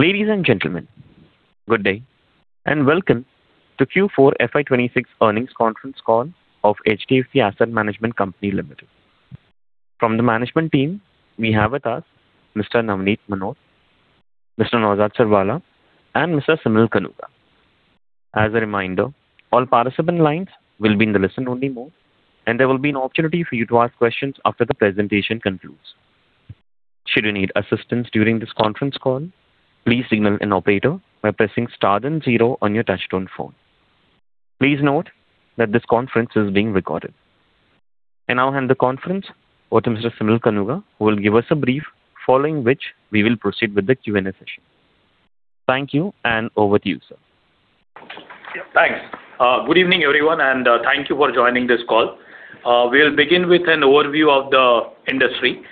Ladies and gentlemen, good day, and welcome to Q4 FY 2026 earnings conference call of HDFC Asset Management Company Limited. From the management team we have with us Mr. Navneet Munot, Mr. Naozad Sirwalla, and Mr. Simal Kanuga. As a reminder, all participant lines will be in the listen-only mode, and there will be an opportunity for you to ask questions after the presentation concludes. Should you need assistance during this conference call, please signal an operator by pressing star then zero on your touchtone phone. Please note that this conference is being recorded. I now hand the conference over to Mr. Simal Kanuga, who will give us a brief, following which we will proceed with the Q&A session. Thank you, and over to you, sir. Thanks. Good evening, everyone, and thank you for joining this call. We'll begin with an overview of the industry.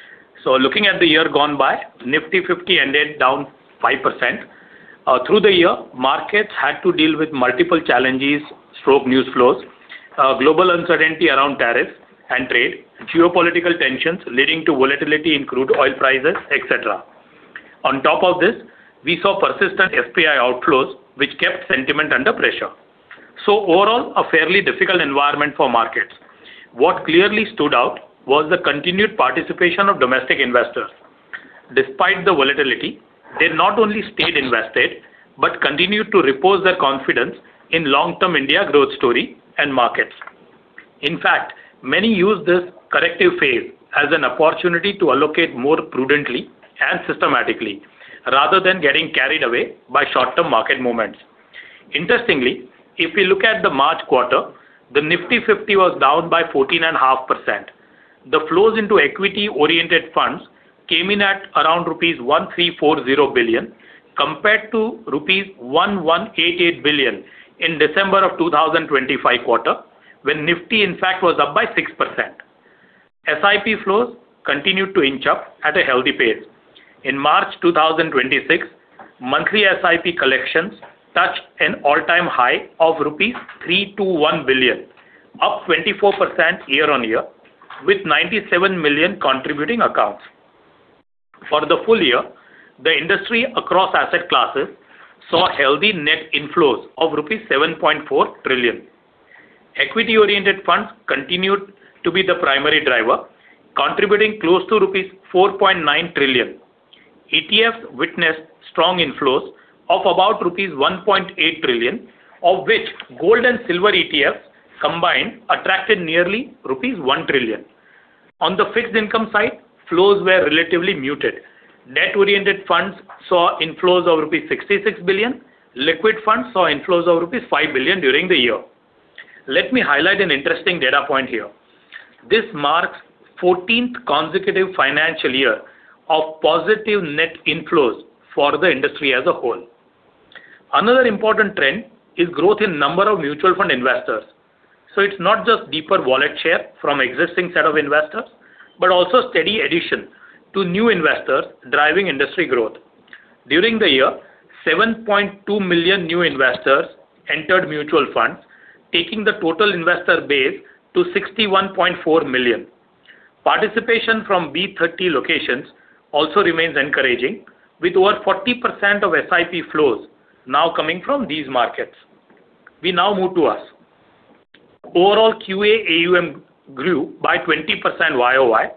Looking at the year gone by, Nifty 50 ended down 5%. Through the year, markets had to deal with multiple challenges/news flows, global uncertainty around tariffs and trade, geopolitical tensions leading to volatility in crude oil prices, et cetera. On top of this, we saw persistent FPI outflows which kept sentiment under pressure. Overall, a fairly difficult environment for markets. What clearly stood out was the continued participation of domestic investors. Despite the volatility, they not only stayed invested, but continued to repose their confidence in long-term India growth story and markets. In fact, many used this corrective phase as an opportunity to allocate more prudently and systematically, rather than getting carried away by short-term market movements. Interestingly, if we look at the March quarter, the Nifty 50 was down by 14.5%. The flows into equity-oriented funds came in at around rupees 1,340 billion compared to rupees 1,188 billion in December 2025 quarter, when Nifty in fact was up by 6%. SIP flows continued to inch up at a healthy pace. In March 2026, monthly SIP collections touched an all-time high of rupees 321 billion, up 24% year-over-year with 97 million contributing accounts. For the full year, the industry across asset classes saw healthy net inflows of rupees 7.4 trillion. Equity-oriented funds continued to be the primary driver, contributing close to rupees 4.9 trillion. ETFs witnessed strong inflows of about rupees 1.8 trillion, of which gold and silver ETFs combined attracted nearly rupees 1 trillion. On the fixed income side, flows were relatively muted. Debt-oriented funds saw inflows of rupees 66 billion. Liquid funds saw inflows of rupees 5 billion during the year. Let me highlight an interesting data point here. This marks 14th consecutive financial year of positive net inflows for the industry as a whole. Another important trend is growth in number of mutual fund investors. It's not just deeper wallet share from existing set of investors, but also steady addition to new investors driving industry growth. During the year, 7.2 million new investors entered mutual funds, taking the total investor base to 61.4 million. Participation from B30 locations also remains encouraging, with over 40% of SIP flows now coming from these markets. We now move to us. Overall QAAUM grew by 20% YOY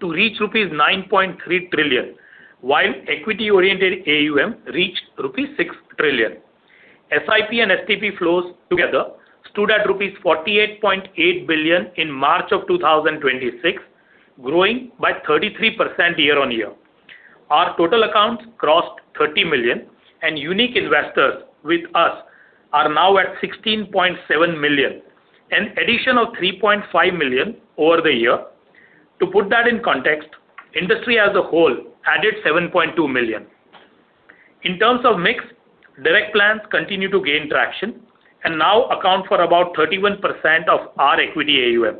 to reach rupees 9.3 trillion, while equity-oriented AUM reached rupees 6 trillion. SIP and STP flows together stood at rupees 48.8 billion in March of 2026, growing by 33% year on year. Our total accounts crossed 30 million, and unique investors with us are now at 16.7 million, an addition of 3.5 million over the year. To put that in context, industry as a whole added 7.2 million. In terms of mix, direct plans continue to gain traction and now account for about 31% of our equity AUM.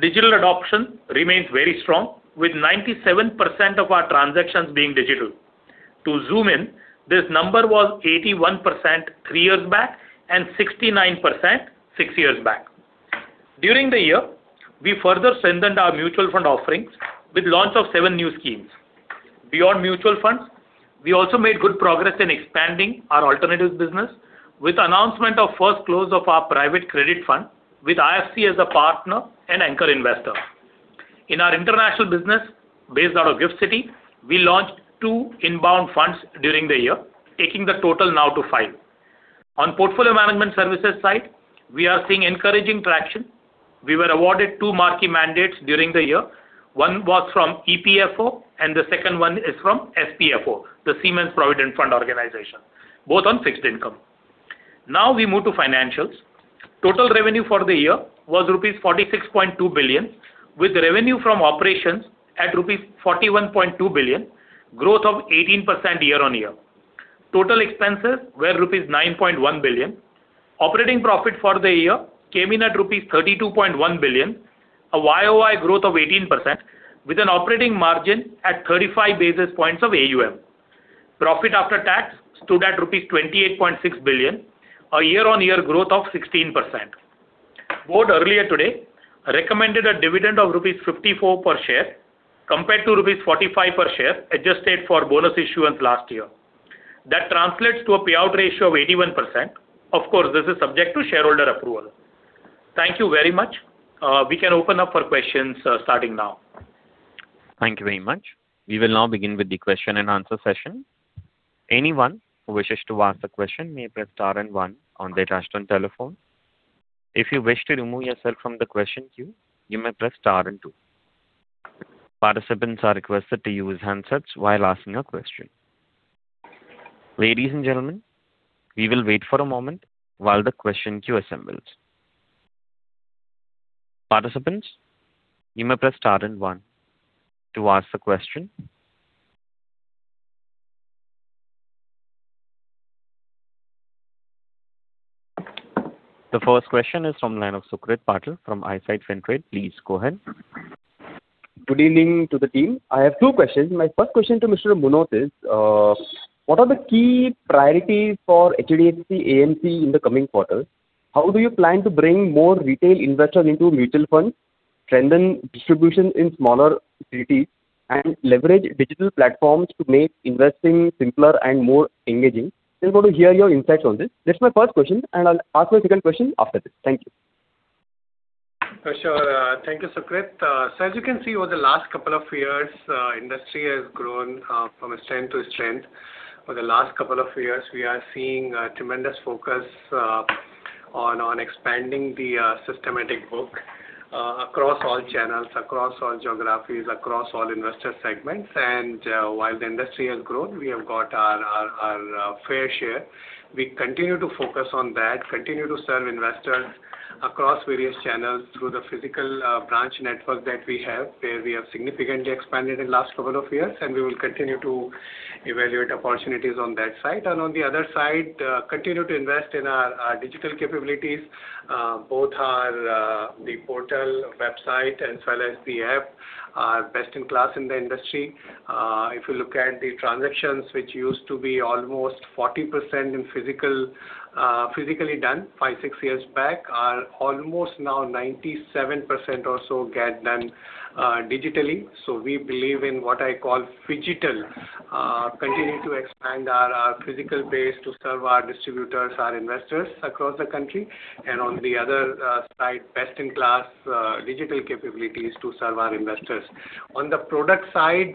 Digital adoption remains very strong, with 97% of our transactions being digital. To zoom in, this number was 81% three years back and 69% six years back. During the year, we further strengthened our mutual fund offerings with launch of seven new schemes. Beyond mutual funds, we also made good progress in expanding our alternatives business with the announcement of first close of our private credit fund with IFC as a partner and anchor investor. In our international business based out of GIFT City, we launched two inbound funds during the year, taking the total now to five. On portfolio management services side, we are seeing encouraging traction. We were awarded two marquee mandates during the year. One was from EPFO and the second one is from SPFO, the Siemens Provident Fund Organization, both on fixed income. Now we move to financials. Total revenue for the year was 46.2 billion rupees, with revenue from operations at 41.2 billion rupees, growth of 18% year-over-year. Total expenses were 9.1 billion rupees. Operating profit for the year came in at 32.1 billion rupees, a YOY growth of 18% with an operating margin at 35 basis points of AUM. Profit after tax stood at rupees 28.6 billion, a year-on-year growth of 16%. Board earlier today recommended a dividend of rupees 54 per share compared to rupees 45 per share adjusted for bonus issuance last year. That translates to a payout ratio of 81%. Of course, this is subject to shareholder approval. Thank you very much. We can open up for questions starting now. Thank you very much. We will now begin with the question and answer session. Anyone who wishes to ask a question may press star and one on their touchtone telephone. If you wish to remove yourself from the question queue, you may press star and two. Participants are requested to use handsets while asking a question. Ladies and gentlemen, we will wait for a moment while the question queue assembles. Participants, you may press star and one to ask the question. The first question is from the line of Suchit Patel from ICICI. Please go ahead. Good evening to the team. I have two questions. My first question to Mr. Munot is, what are the key priorities for HDFC AMC in the coming quarter? How do you plan to bring more retail investors into mutual funds, strengthen distribution in smaller cities, and leverage digital platforms to make investing simpler and more engaging? Just want to hear your insights on this. That's my first question, and I'll ask my second question after this. Thank you. For sure. Thank you, Suchit. As you can see, over the last couple of years, our industry has grown from strength to strength. Over the last couple of years, we are seeing a tremendous focus on expanding the systematic book across all channels, across all geographies, across all investor segments. While the industry has grown, we have got our fair share. We continue to focus on that, continue to serve investors across various channels through the physical branch network that we have, where we have significantly expanded in last couple of years, and we will continue to evaluate opportunities on that side. On the other side, continue to invest in our digital capabilities. Both our portal website as well as the app are best in class in the industry. If you look at the transactions, which used to be almost 40% physically done five, six years back, are almost now 97% or so get done digitally. We believe in what I call phygital. Continue to expand our physical base to serve our distributors, our investors across the country. On the other side, best-in-class digital capabilities to serve our investors. On the product side,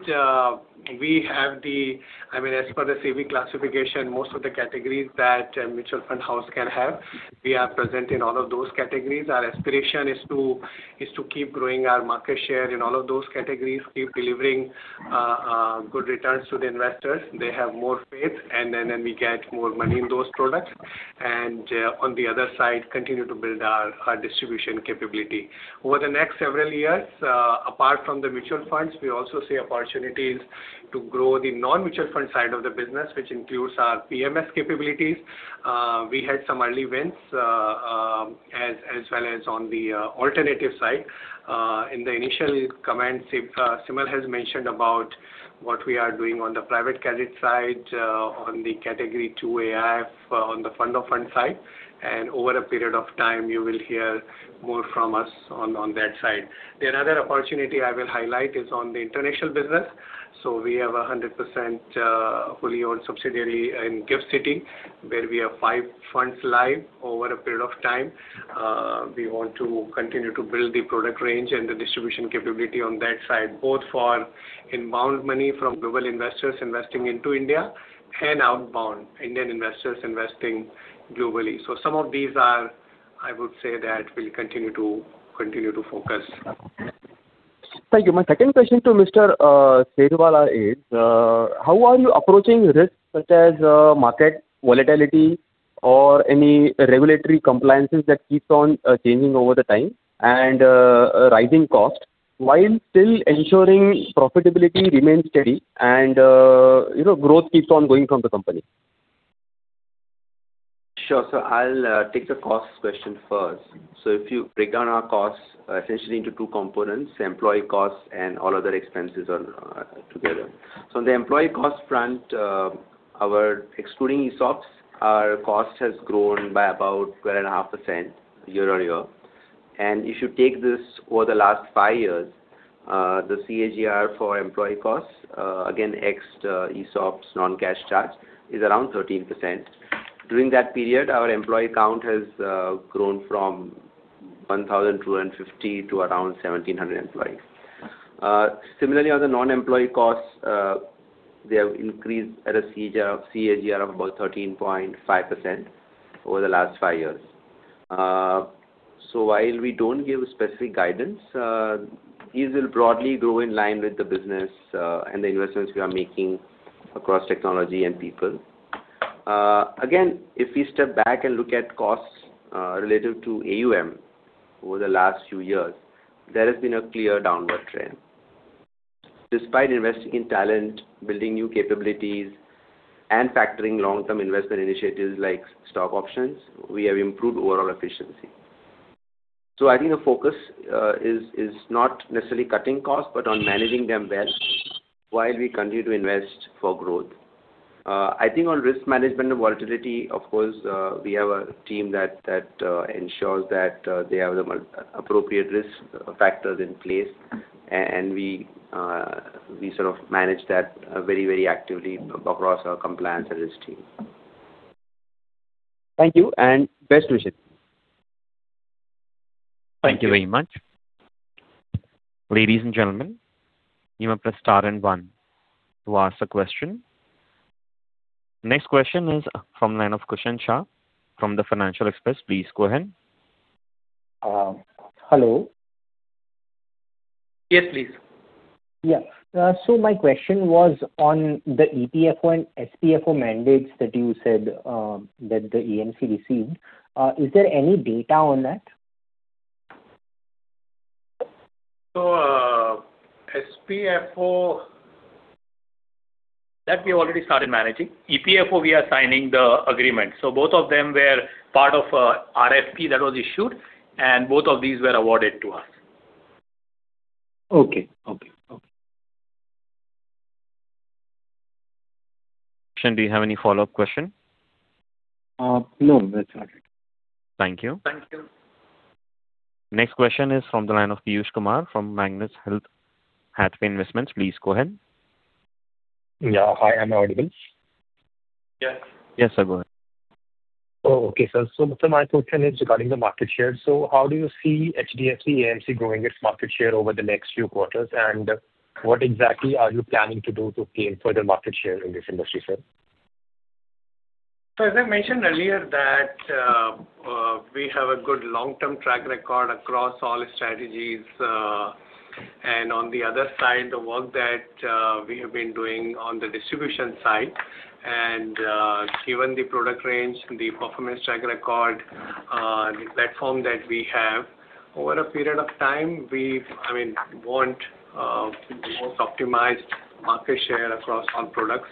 as per the SEBI classification, most of the categories that a mutual fund house can have, we are present in all of those categories. Our aspiration is to keep growing our market share in all of those categories, keep delivering good returns to the investors. They have more faith, and then we get more money in those products. On the other side, continue to build our distribution capability. Over the next several years, apart from the mutual funds, we also see opportunities to grow the non-mutual fund side of the business, which includes our PMS capabilities. We had some early wins, as well as on the alternative side. In the initial comments, Simal has mentioned about what we are doing on the private credit side, on the category two AIF, on the fund of fund side. Over a period of time, you will hear more from us on that side. The another opportunity I will highlight is on the international business. We have a 100%, fully owned subsidiary in Gift City, where we have five funds live over a period of time. We want to continue to build the product range and the distribution capability on that side, both for inbound money from global investors investing into India and outbound Indian investors investing globally. Some of these are, I would say that we'll continue to focus. Thank you. My second question to Mr. Sirwalla is, how are you approaching risks such as market volatility or any regulatory compliances that keeps on changing over the time and rising cost, while still ensuring profitability remains steady and growth keeps on going from the company? Sure. I'll take the cost question first. If you break down our costs essentially into two components, employee costs and all other expenses are together. On the employee cost front, excluding ESOPs, our cost has grown by about 2.5% year-over-year. If you take this over the last five years, the CAGR for employee costs, again, ex ESOPs, non-cash charge, is around 13%. During that period, our employee count has grown from 1,250 to around 1,700 employees. Similarly, on the non-employee costs, they have increased at a CAGR of about 13.5% over the last five years. While we don't give specific guidance, these will broadly grow in line with the business and the investments we are making across technology and people. Again, if we step back and look at costs related to AUM over the last few years, there has been a clear downward trend. Despite investing in talent, building new capabilities, and factoring long-term investment initiatives like stock options, we have improved overall efficiency. I think the focus is not necessarily cutting costs, but on managing them well while we continue to invest for growth. I think on risk management and volatility, of course, we have a team that ensures that they have the appropriate risk factors in place, and we sort of manage that very actively across our compliance and risk team. Thank you and best wishes. Thank you very much. Thank you very much. Ladies and gentlemen, you may press star and one to ask a question. Next question is from line of Kushan Shah from The Financial Express. Please go ahead. Hello? Yes, please. Yeah. My question was on the EPFO and SPFO mandates that you said that the AMC received. Is there any data on that? SPFO, that we've already started managing. EPFO, we are signing the agreement. Both of them were part of a RFP that was issued, and both of these were awarded to us. Okay. Kushan, do you have any follow-up question? No. That's all. Thank you. Thank you. Next question is from the line of Piyush Kumar from Magnus Hathaway Investments. Please go ahead. Yeah. Hi, am I audible? Yes. Yes, sir. Go ahead. Oh, okay, sir. My question is regarding the market share. How do you see HDFC AMC growing its market share over the next few quarters, and what exactly are you planning to do to gain further market share in this industry, sir? As I mentioned earlier that we have a good long-term track record across all strategies. On the other side, the work that we have been doing on the distribution side, and given the product range, the performance track record, the platform that we have, over a period of time, we want the most optimized market share across all products.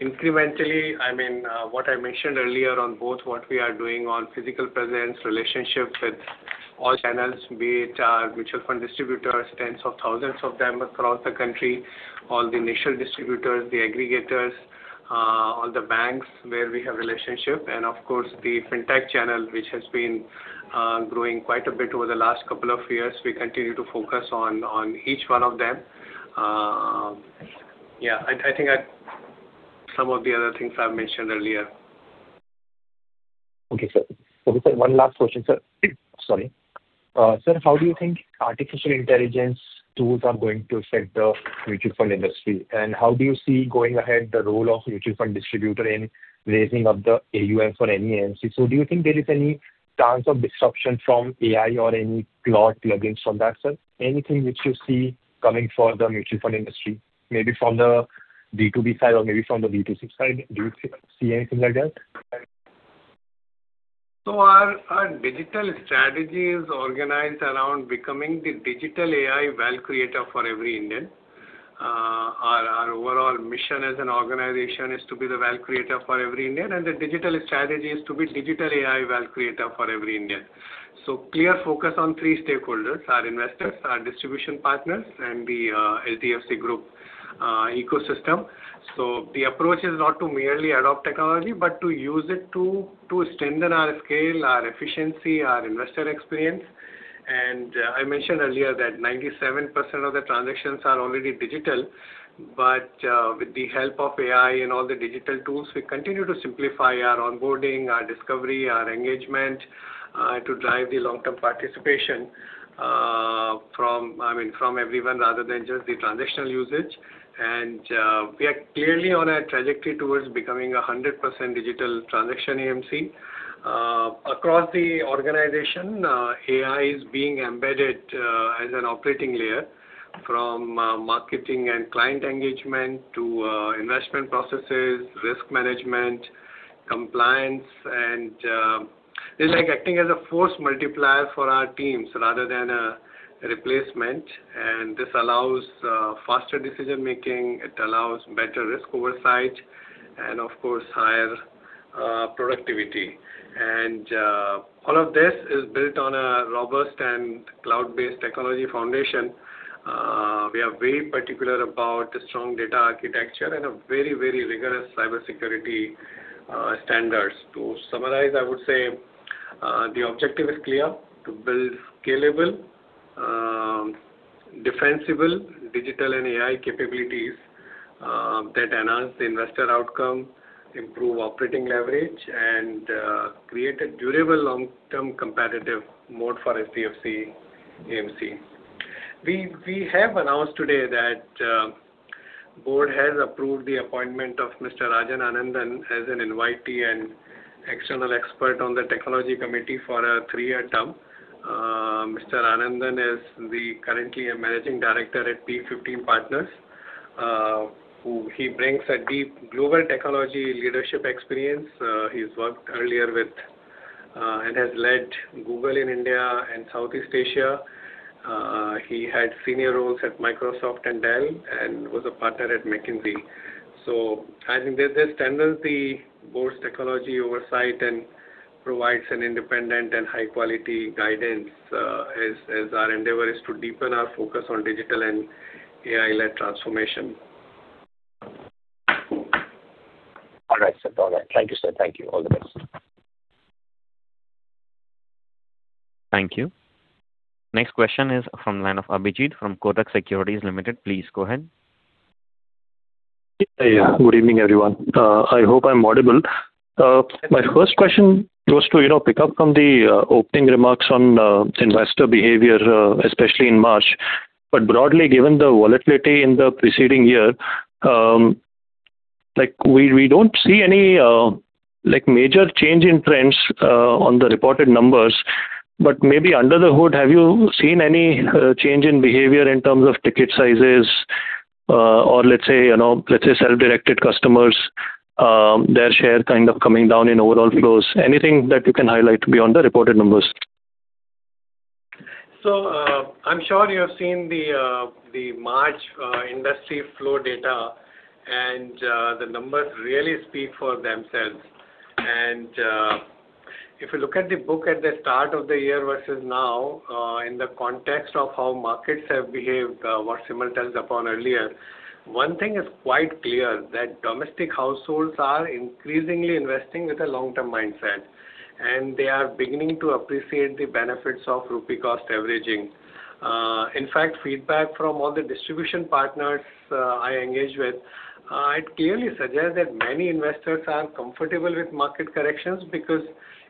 Incrementally, what I mentioned earlier on both what we are doing on physical presence, relationships with all channels, be it mutual fund distributors, tens of thousands of them across the country, all the institutional distributors, the aggregators, all the banks where we have relationship, and of course, the fintech channel, which has been growing quite a bit over the last couple of years. We continue to focus on each one of them. Yeah, I think some of the other things I've mentioned earlier. Okay, sir. One last question, sir. Sorry. Sir, how do you think artificial intelligence tools are going to affect the mutual fund industry? How do you see going ahead the role of mutual fund distributor in raising of the AUM for any AMC? Do you think there is any chance of disruption from AI or any cloud plugins from that, sir? Anything which you see coming for the mutual fund industry, maybe from the B2B side or maybe from the B2C side? Do you see anything like that? Our digital strategy is organized around becoming the digital AI wealth creator for every Indian. Our overall mission as an organization is to be the wealth creator for every Indian, and the digital strategy is to be digital AI wealth creator for every Indian. Clear focus on three stakeholders, our investors, our distribution partners, and the HDFC Group ecosystem. The approach is not to merely adopt technology, but to use it to strengthen our scale, our efficiency, our investor experience. I mentioned earlier that 97% of the transactions are already digital. With the help of AI and all the digital tools, we continue to simplify our onboarding, our discovery, our engagement to drive the long-term participation from everyone rather than just the transactional usage. We are clearly on a trajectory towards becoming 100% digital transaction AMC. Across the organization, AI is being embedded as an operating layer from marketing and client engagement to investment processes, risk management, compliance, and it's like acting as a force multiplier for our teams rather than a replacement. This allows faster decision-making. It allows better risk oversight and of course, higher productivity. All of this is built on a robust and cloud-based technology foundation. We are very particular about strong data architecture and a very rigorous cybersecurity standards. To summarize, I would say the objective is clear, to build scalable, defensible digital and AI capabilities that enhance the investor outcome, improve operating leverage, and create a durable long-term competitive moat for HDFC AMC. We have announced today that board has approved the appointment of Mr. Rajan Anandan as an invitee and external expert on the technology committee for a three-year term. Mr. Rajan Anandan is currently a managing director at Peak XV Partners. He brings a deep global technology leadership experience. He's worked earlier with and has led Google in India and Southeast Asia. He had senior roles at Microsoft and Dell and was a partner at McKinsey. I think this strengthens the board's technology oversight and provides an independent and high-quality guidance as our endeavor is to deepen our focus on digital and AI-led transformation. All right, sir. Thank you, sir. Thank you. All the best. Thank you. Next question is from line of Abhijit from Kotak Securities Limited. Please go ahead. Yeah. Good evening, everyone. I hope I'm audible. My first question was to pick up from the opening remarks on investor behavior, especially in March. Broadly, given the volatility in the preceding year, we don't see any major change in trends on the reported numbers. Maybe under the hood, have you seen any change in behavior in terms of ticket sizes? Or let's say, self-directed customers, their share kind of coming down in overall flows. Anything that you can highlight beyond the reported numbers? I'm sure you have seen the March industry flow data and the numbers really speak for themselves. If you look at the book at the start of the year versus now, in the context of how markets have behaved, what Simal touched upon earlier, one thing is quite clear, that domestic households are increasingly investing with a long-term mindset. They are beginning to appreciate the benefits of rupee cost averaging. In fact, feedback from all the distribution partners I engage with, it clearly suggests that many investors are comfortable with market corrections because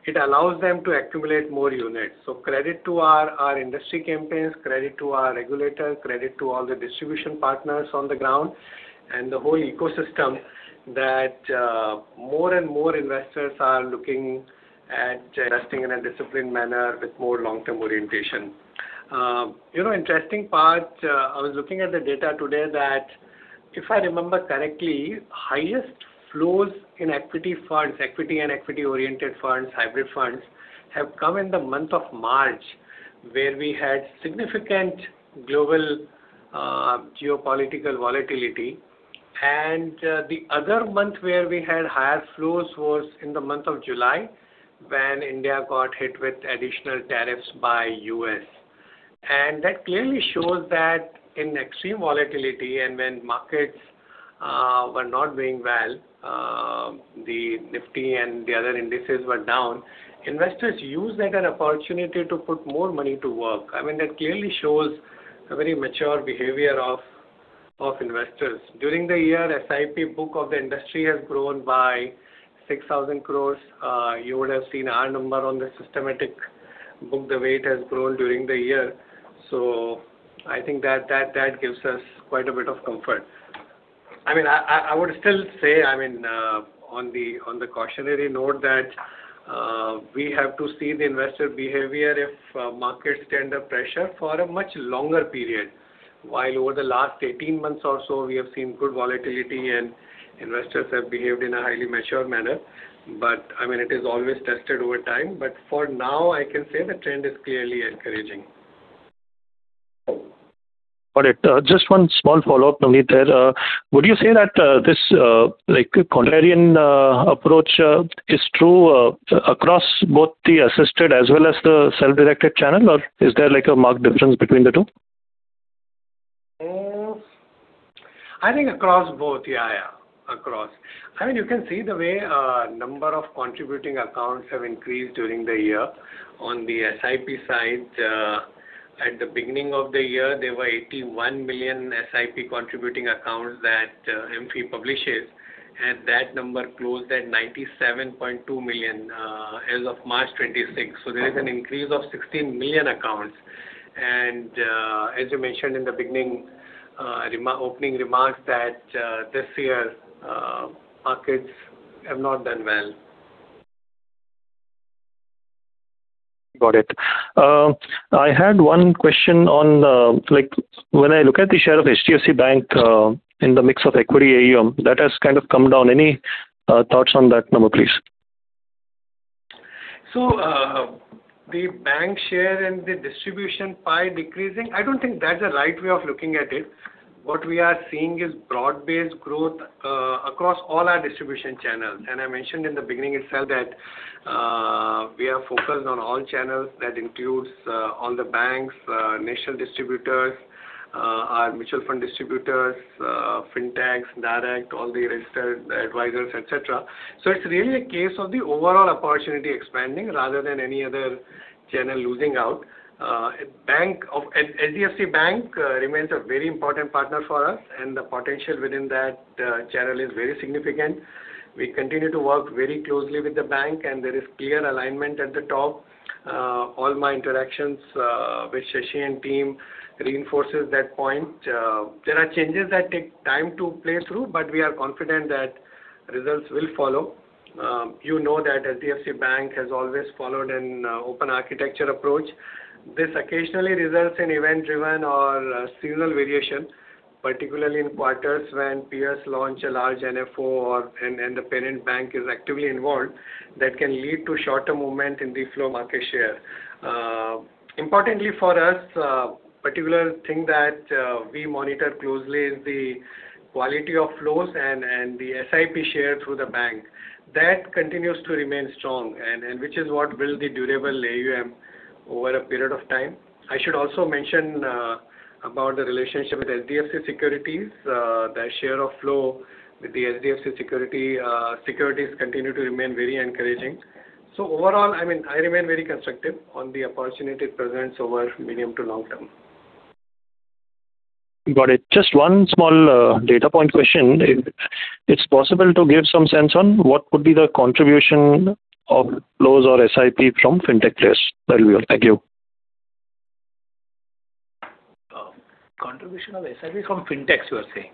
it allows them to accumulate more units. Credit to our industry campaigns, credit to our regulator, credit to all the distribution partners on the ground, and the whole ecosystem that more and more investors are looking at investing in a disciplined manner with more long-term orientation. Interesting part, I was looking at the data today that, if I remember correctly, highest flows in equity funds, equity and equity-oriented funds, hybrid funds, have come in the month of March, where we had significant global geopolitical volatility. The other month where we had higher flows was in the month of July, when India got hit with additional tariffs by U.S. That clearly shows that in extreme volatility and when markets were not doing well, the Nifty and the other indices were down, investors use that as an opportunity to put more money to work. I mean, that clearly shows a very mature behavior of investors. During the year, SIP book of the industry has grown by 6,000 crores. You would have seen our number on the systematic book, the way it has grown during the year. I think that gives us quite a bit of comfort. I would still say on the cautionary note that we have to see the investor behavior if markets stand up to pressure for a much longer period. While over the last 18 months or so, we have seen good volatility and investors have behaved in a highly mature manner. It is always tested over time. For now, I can say the trend is clearly encouraging. Got it. Just one small follow-up, Munot there. Would you say that this correlational approach is true across both the assisted as well as the self-directed channel, or is there a marked difference between the two? I think across both, yeah. Across. You can see the way number of contributing accounts have increased during the year. On the SIP side, at the beginning of the year, there were 81 million SIP contributing accounts that AMFI publishes, and that number closed at 97.2 million as of March 2026. There is an increase of 16 million accounts. As you mentioned in the beginning opening remarks that this year markets have not done well. Got it. I had one question on, when I look at the share of HDFC Bank in the mix of Equity AUM, that has kind of come down. Any thoughts on that number, please? The bank share and the distribution pie decreasing, I don't think that's the right way of looking at it. What we are seeing is broad-based growth across all our distribution channels. I mentioned in the beginning itself that we are focused on all channels, that includes all the banks, national distributors, our mutual fund distributors, fintechs, direct, all the registered advisors, et cetera. It's really a case of the overall opportunity expanding rather than any other channel losing out. HDFC Bank remains a very important partner for us, and the potential within that channel is very significant. We continue to work very closely with the bank, and there is clear alignment at the top. All my interactions with Sashidhar Jagdishan and team reinforces that point. There are changes that take time to play through, but we are confident that results will follow. You know that HDFC Bank has always followed an open architecture approach. This occasionally results in event-driven or seasonal variation, particularly in quarters when peers launch a large NFO and the parent bank is actively involved, that can lead to short-term movement in the flow market share. Importantly for us, the particular thing that we monitor closely is the quality of flows and the SIP share through the bank. That continues to remain strong and which is what will be durable AUM over a period of time. I should also mention about the relationship with HDFC Securities. The share of flow with the HDFC Securities continue to remain very encouraging. Overall, I remain very constructive on the opportunity it presents over medium- to long-term. Got it. Just one small data point question. It's possible to give some sense on what could be the contribution of flows or SIP from fintech players that we are. Thank you. Contribution of SIP from fintechs, you are saying?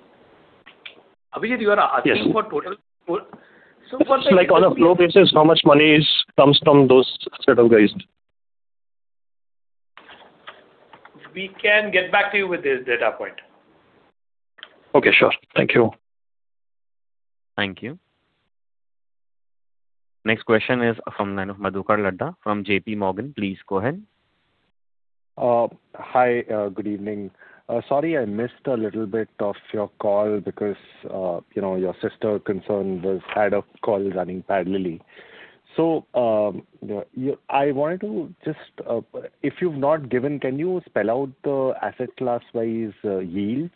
Abhijit, you are asking for total. Yes. It's like on a flow basis, how much money comes from those set of guys. We can get back to you with this data point. Okay, sure. Thank you. Thank you. Next question is from Madhukar Ladha from JPMorgan. Please go ahead. Hi. Good evening. Sorry, I missed a little bit of your call because your sister concern had a call running parallelly. If you've not given, can you spell out the asset class-wise yields?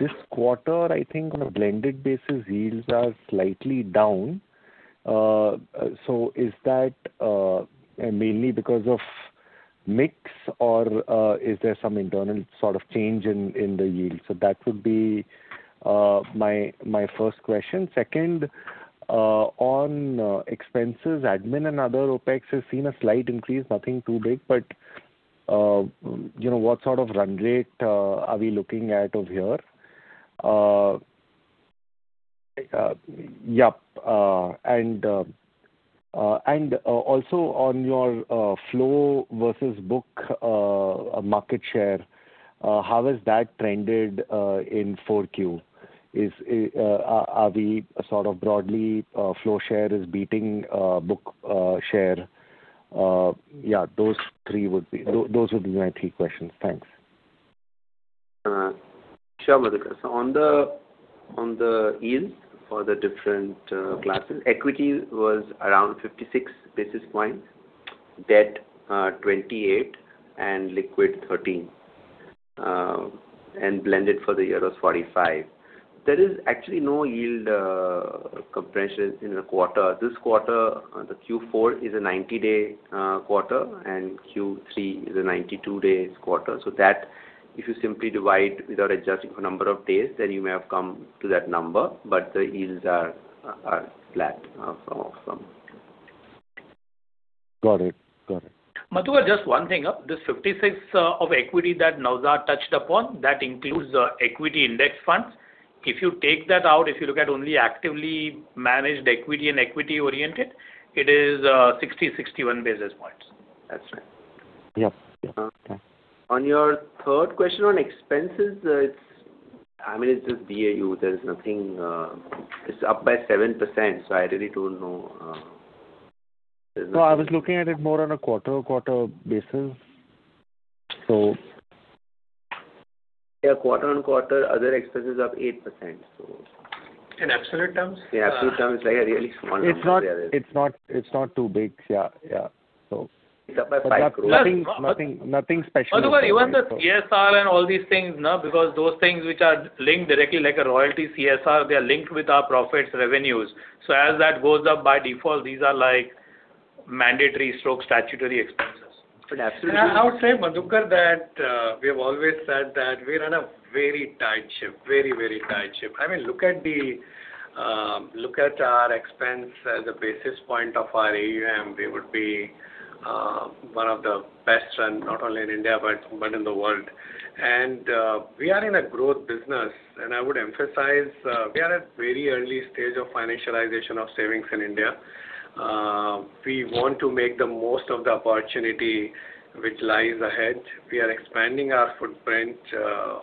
This quarter, I think on a blended basis, yields are slightly down. Is that mainly because of mix or is there some internal sort of change in the yield? That would be my first question. Second, on expenses, admin and other OPEX has seen a slight increase, nothing too big, but what sort of run rate are we looking at over here? Yep. Also on your flow versus book market share, how has that trended in Q4? Are we sort of broadly flow share is beating book share? Yeah, those would be my three questions. Thanks. Sure, Madhukar. On the yields for the different classes, equity was around 56 basis points, debt 28 and liquid 13, and blended for the year was 45. There is actually no yield compression in the quarter. This quarter, the Q4 is a 90-day quarter, and Q3 is a 92-day quarter. That if you simply divide without adjusting for number of days, then you may have come to that number, but the yields are flat. Got it. Madhukar, just one thing. This 56% of equity that Naozad touched upon, that includes equity index funds. If you take that out, if you look at only actively managed equity and equity oriented, it is 60-61 basis points. That's right. Yep. Okay. On your third question on expenses, it's just BAU. It's up by 7%, so I really don't know. No, I was looking at it more on a quarter-over-quarter basis. Yeah. Quarter-over-quarter, other expenses up 8%. In absolute terms? In absolute terms, it's like a really small number. It's not too big. Yeah. It's up by 5 crores. Nothing special. Madhukar, even the CSR and all these things, because those things which are linked directly like a royalty CSR, they are linked with our profits revenues. As that goes up by default, these are like mandatory/statutory expenses. Absolutely. I would say, Madhukar, that we have always said that we run a very tight ship. Very, very tight ship. Look at our expense as a basis point of our AUM, we would be one of the best run, not only in India but in the world. We are in a growth business, and I would emphasize, we are at very early stage of financialization of savings in India. We want to make the most of the opportunity which lies ahead. We are expanding our footprint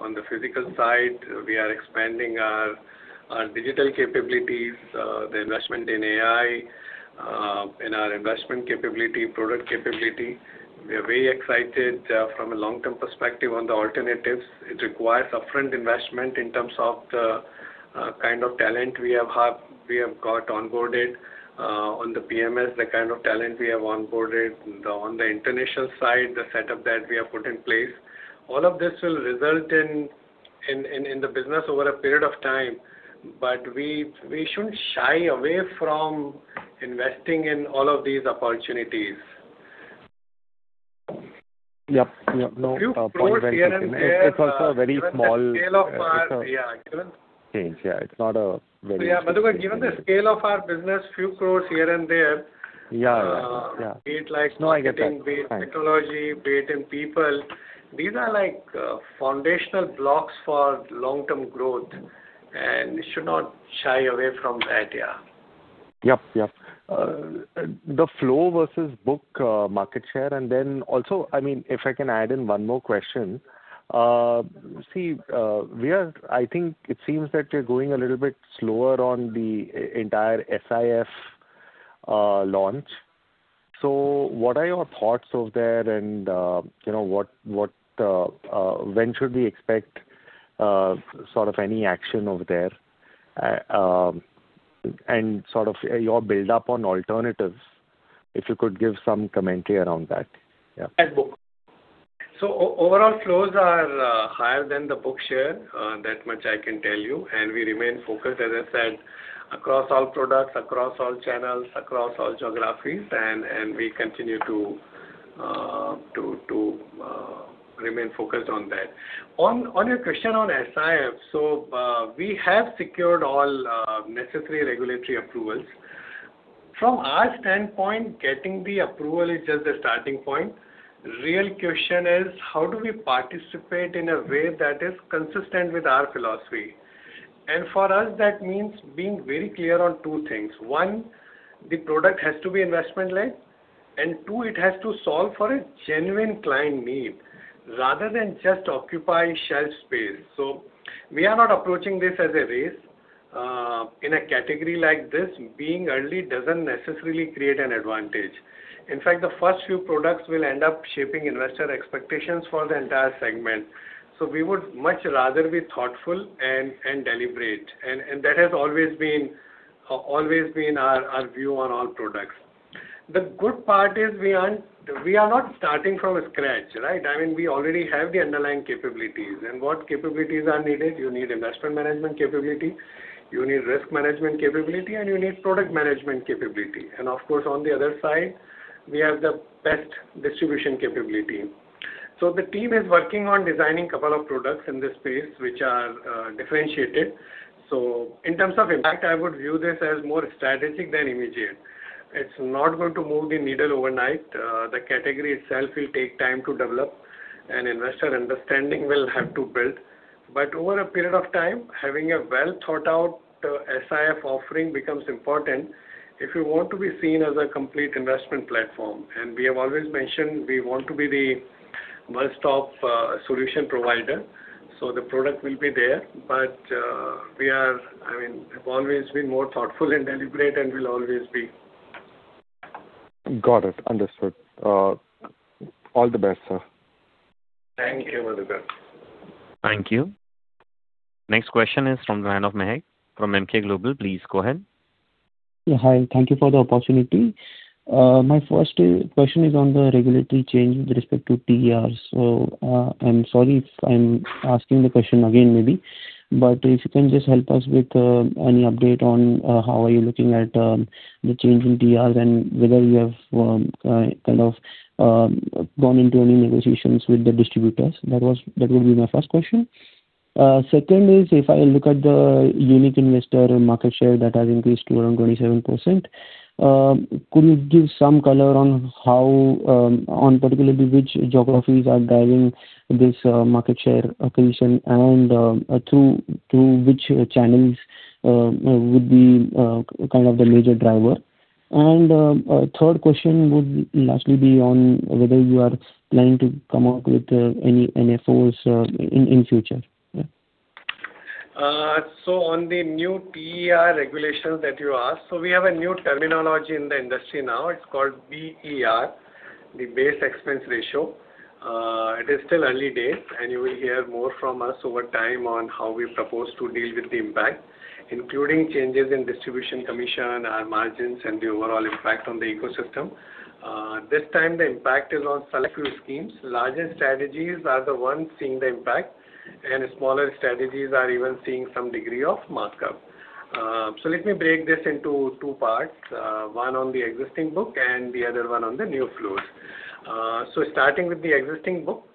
on the physical side. We are expanding our digital capabilities, the investment in AI, in our investment capability, product capability. We are very excited from a long-term perspective on the alternatives. It requires upfront investment in terms of the kind of talent we have got onboarded on the PMS, the kind of talent we have onboarded on the international side, the setup that we have put in place. All of this will result in the business over a period of time. We shouldn't shy away from investing in all of these opportunities. Yep. No. Point well taken. It's also a very small- Given the scale of our Change, yeah. It's not a very Madhukar, given the scale of our business, few crores here and there. Yeah. No, I get that. Thanks Be it like investing, be it technology, be it in people, these are foundational blocks for long-term growth, and we should not shy away from that. Yeah. Yep. The flow versus book market share, and then also, if I can add in one more question. I think it seems that you're going a little bit slower on the entire SIF launch. What are your thoughts over there and when should we expect any action over there? Your build up on alternatives, if you could give some commentary around that. Yeah. Overall flows are higher than the book share, that much I can tell you. We remain focused, as I said, across all products, across all channels, across all geographies. We continue to remain focused on that. On your question on SIFs. We have secured all necessary regulatory approvals. From our standpoint, getting the approval is just the starting point. Real question is how do we participate in a way that is consistent with our philosophy? For us that means being very clear on two things. One, the product has to be investment-led, and two, it has to solve for a genuine client need rather than just occupy shelf space. We are not approaching this as a race. In a category like this, being early doesn't necessarily create an advantage. In fact, the first few products will end up shaping investor expectations for the entire segment. We would much rather be thoughtful and deliberate, and that has always been our view on all products. The good part is we are not starting from scratch, right? I mean, we already have the underlying capabilities. What capabilities are needed? You need investment management capability, you need risk management capability, and you need product management capability. Of course, on the other side, we have the best distribution capability. The team is working on designing a couple of products in this space, which are differentiated. In terms of impact, I would view this as more strategic than immediate. It's not going to move the needle overnight. The category itself will take time to develop and investor understanding will have to build. Over a period of time, having a well-thought-out SIF offering becomes important if you want to be seen as a complete investment platform. We have always mentioned we want to be the one-stop solution provider, so the product will be there. We have always been more thoughtful and deliberate and will always be. Got it. Understood. All the best, sir. Thank you, Madhukar. Thank you. Next question is from Rahat Mehak from Emkay Global. Please go ahead. Hi, thank you for the opportunity. My first question is on the regulatory change with respect to TERs. I'm sorry if I'm asking the question again maybe, but if you can just help us with any update on how are you looking at the change in TER and whether you have gone into any negotiations with the distributors? That would be my first question. Second is, if I look at the unique investor market share that has increased to around 27%, could you give some color on particularly which geographies are driving this market share accretion and through which channels would be the major driver? Third question would lastly be on whether you are planning to come out with any NFOs in future? On the new TER regulations that you asked. We have a new terminology in the industry now, it's called BER, the base expense ratio. It is still early days and you will hear more from us over time on how we propose to deal with the impact, including changes in distribution commission, our margins, and the overall impact on the ecosystem. This time the impact is on selective schemes. Larger strategies are the ones seeing the impact, and smaller strategies are even seeing some degree of markup. Let me break this into two parts. One on the existing book and the other one on the new flows. Starting with the existing book,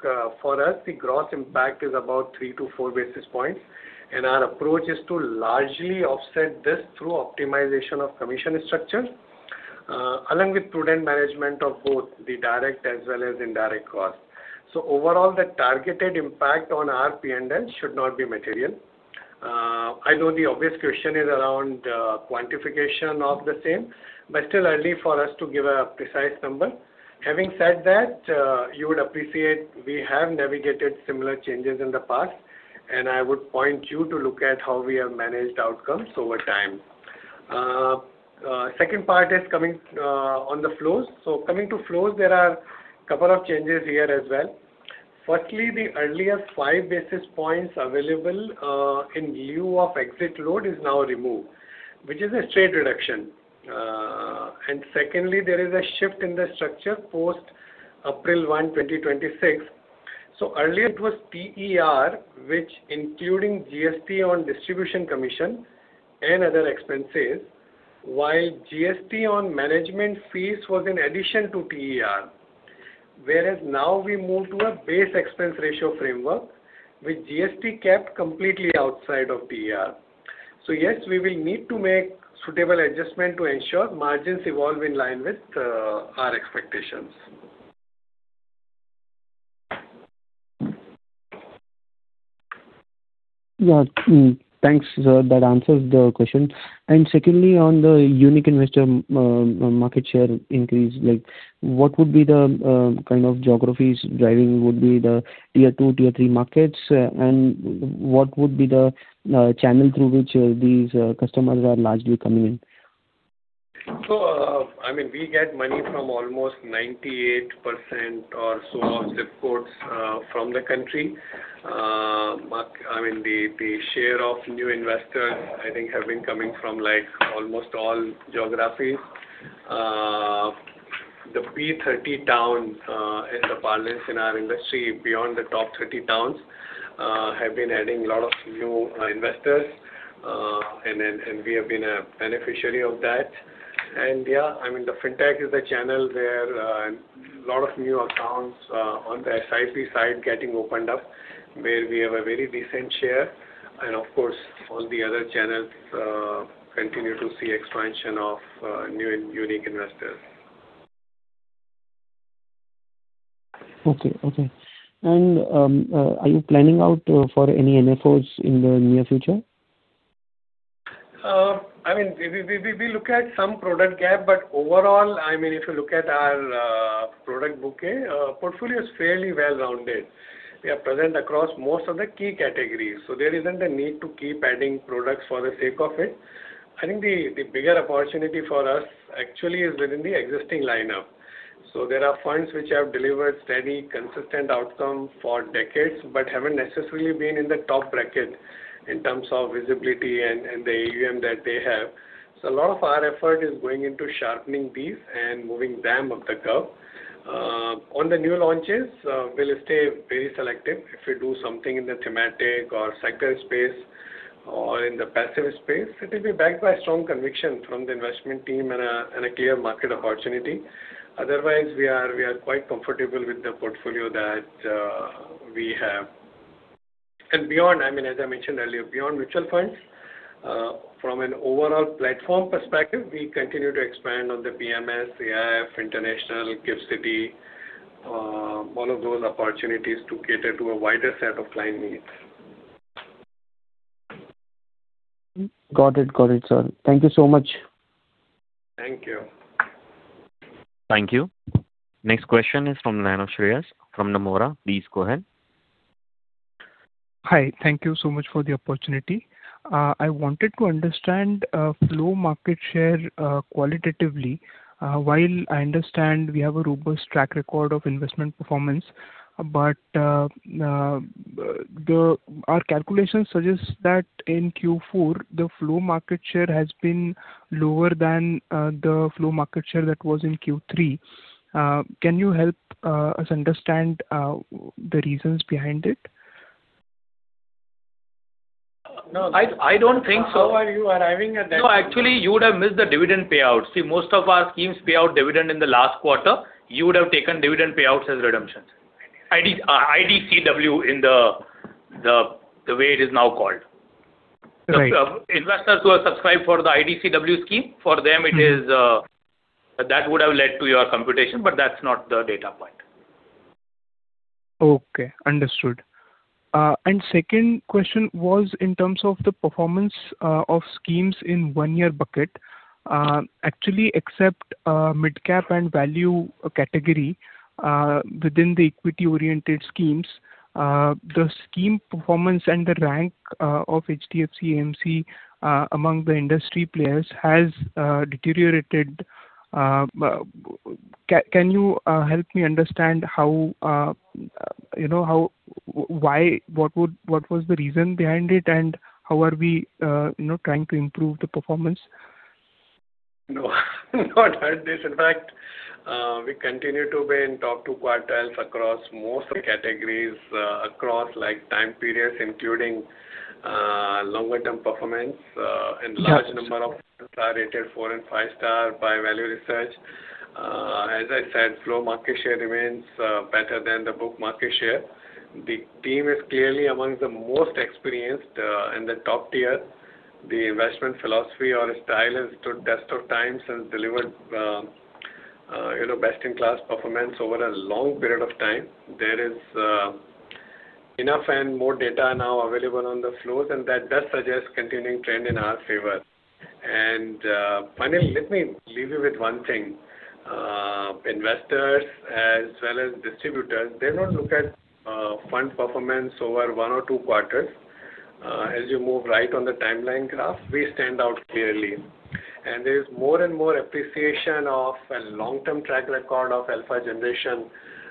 for us, the gross impact is about three to four basis points, and our approach is to largely offset this through optimization of commission structure, along with prudent management of both the direct as well as indirect costs. Overall, the targeted impact on our P&L should not be material. I know the obvious question is around quantification of the same, but still early for us to give a precise number. Having said that, you would appreciate we have navigated similar changes in the past, and I would point you to look at how we have managed outcomes over time. Second part is coming on the flows. Coming to flows, there are a couple of changes here as well. Firstly, the erstwhile five basis points available in lieu of exit load is now removed, which is a straight reduction. Secondly, there is a shift in the structure post April 1, 2026. Earlier it was TER, which included GST on distribution commission and other expenses, while GST on management fees was in addition to TER. Whereas now we move to a base expense ratio framework with GST kept completely outside of TER. Yes, we will need to make suitable adjustment to ensure margins evolve in line with our expectations. Yeah. Thanks, sir. That answers the question. Secondly, on the unique investor market share increase, what would be the kind of geographies driving? Would be the tier two, tier three markets? What would be the channel through which these customers are largely coming in? We get money from almost 98% or so of zip codes from the country. The share of new investors, I think, have been coming from almost all geographies. The B30 towns in the parlance in our industry beyond the top 30 towns have been adding a lot of new investors. We have been a beneficiary of that. Yeah, the fintech is a channel where a lot of new accounts on the SIP side getting opened up where we have a very decent share. Of course, all the other channels continue to see expansion of new and unique investors. Okay. Are you planning out for any NFOs in the near future? We look at some product gap, but overall, if you look at our product bouquet, our portfolio is fairly well-rounded. We are present across most of the key categories, so there isn't a need to keep adding products for the sake of it. I think the bigger opportunity for us actually is within the existing lineup. There are funds which have delivered steady, consistent outcome for decades but haven't necessarily been in the top bracket in terms of visibility and the AUM that they have. So a lot of our effort is going into sharpening these and moving them up the curve. On the new launches, we'll stay very selective. If we do something in the thematic or sector space or in the passive space, it will be backed by strong conviction from the investment team and a clear market opportunity. Otherwise, we are quite comfortable with the portfolio that we have. As I mentioned earlier, beyond mutual funds, from an overall platform perspective, we continue to expand on the PMS, AIF, international, GIFT City, all of those opportunities to cater to a wider set of client needs. Got it, sir. Thank you so much. Thank you. Thank you. Next question is from Nana Shreyas from Nomura. Please go ahead. Hi. Thank you so much for the opportunity. I wanted to understand flow market share qualitatively. While I understand we have a robust track record of investment performance, but our calculations suggest that in Q4, the flow market share has been lower than the flow market share that was in Q3. Can you help us understand the reasons behind it? No, I don't think so. How are you arriving at that? No, actually, you would have missed the dividend payout. See, most of our schemes pay out dividend in the last quarter. You would have taken dividend payouts as redemptions, IDCW in the way it is now called. Right. Investors who have subscribed for the IDCW scheme, for them that would have led to your computation, but that's not the data point. Okay, understood. Second question was in terms of the performance of schemes in one year bucket. Actually, except mid-cap and value category within the equity-oriented schemes, the scheme performance and the rank of HDFC AMC among the industry players has deteriorated. Can you help me understand what was the reason behind it, and how are we trying to improve the performance? No, I've not heard this. In fact, we continue to be in top two quartiles across most of the categories across time periods, including longer term performance. Large number of funds are rated four and five star by Value Research. As I said, flow market share remains better than the book market share. The team is clearly amongst the most experienced in the top tier. The investment philosophy or style has stood test of time and has delivered best-in-class performance over a long period of time. There is enough and more data now available on the flows, and that does suggest continuing trend in our favor. Finally, let me leave you with one thing. Investors as well as distributors, they do not look at fund performance over one or two quarters. As you move right on the timeline graph, we stand out clearly. There's more and more appreciation of a long-term track record of alpha generation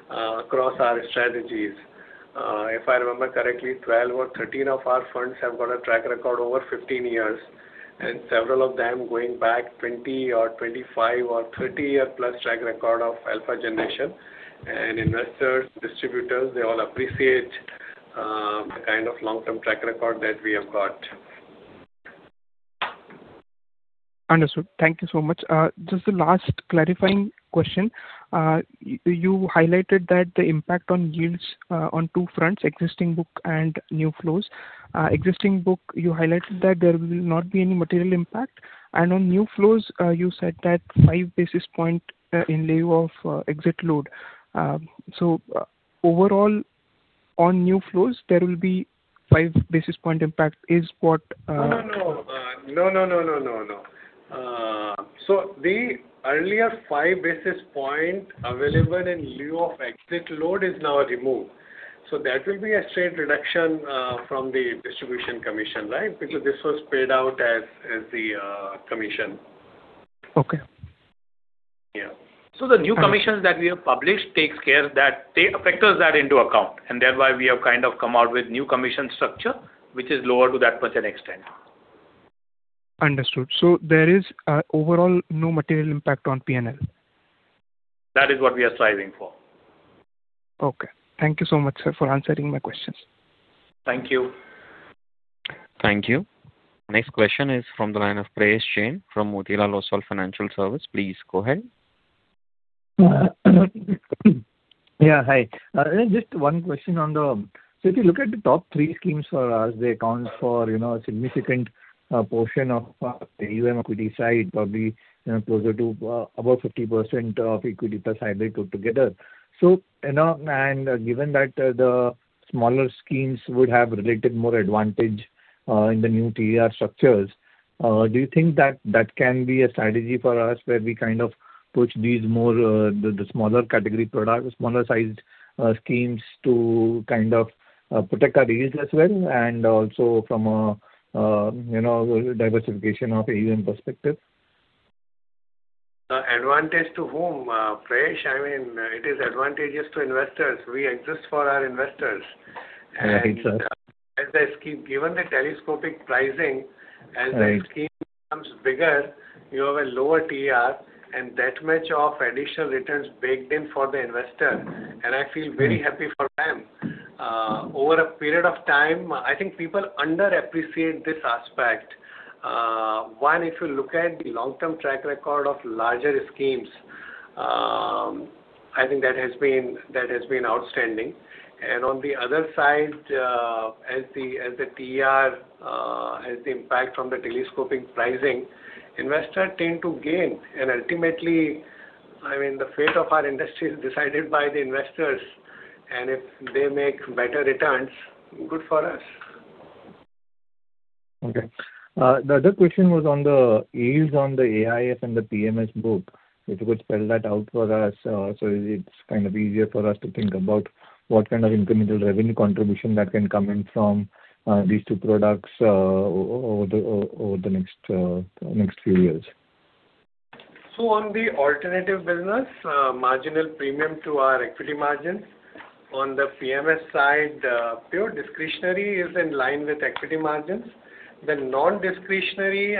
across our strategies. If I remember correctly, 12 or 13 of our funds have got a track record over 15 years, and several of them going back 20 or 25 or 30 year plus track record of alpha generation. Investors, distributors, they all appreciate the kind of long-term track record that we have got. Understood. Thank you so much. Just the last clarifying question. You highlighted that the impact on yields on two fronts, existing book and new flows. Existing book, you highlighted that there will not be any material impact. On new flows, you said that five basis point in lieu of exit load. Overall on new flows, there will be five basis point impact is what? No. The earlier five basis point available in lieu of exit load is now removed. That will be a straight reduction from the distribution commission, right? Because this was paid out as the commission. Okay. Yeah. The new commissions that we have published takes care of that. They factor that into account, and thereby we have kind of come out with new commission structure, which is lower to that percent extent. Understood. There is overall no material impact on P&L. That is what we are striving for. Okay. Thank you so much, sir, for answering my questions. Thank you. Thank you. Next question is from the line of Prayesh Jain from Motilal Oswal Financial Services. Please go ahead. Yeah. Hi. Just one question on the top three schemes for us. They account for a significant portion of the AUM equity side, probably closer to above 50% of equity plus hybrid put together. Given that the smaller schemes would have relative more advantage in the new TER structures, do you think that can be a strategy for us, where we kind of push these more, the smaller category product, smaller sized schemes to kind of protect our yields as well, and also from a diversification of AUM perspective? Advantage to whom, Prayesh? It is advantageous to investors. We exist for our investors. I think so. As the scheme, given the telescopic pricing. Right as the scheme becomes bigger, you have a lower TER and that much of additional returns baked in for the investor, and I feel very happy for them. Over a period of time, I think people underappreciate this aspect. One, if you look at the long-term track record of larger schemes, I think that has been outstanding. On the other side, as the TER has impact from the telescopic pricing, investors tend to gain. Ultimately, the fate of our industry is decided by the investors, and if they make better returns, good for us. Okay. The other question was on the yields on the AIF and the PMS book. If you could spell that out for us so it's kind of easier for us to think about what kind of incremental revenue contribution that can come in from these two products over the next few years. On the alternative business, marginal premium to our equity margins. On the PMS side, pure discretionary is in line with equity margins. The non-discretionary,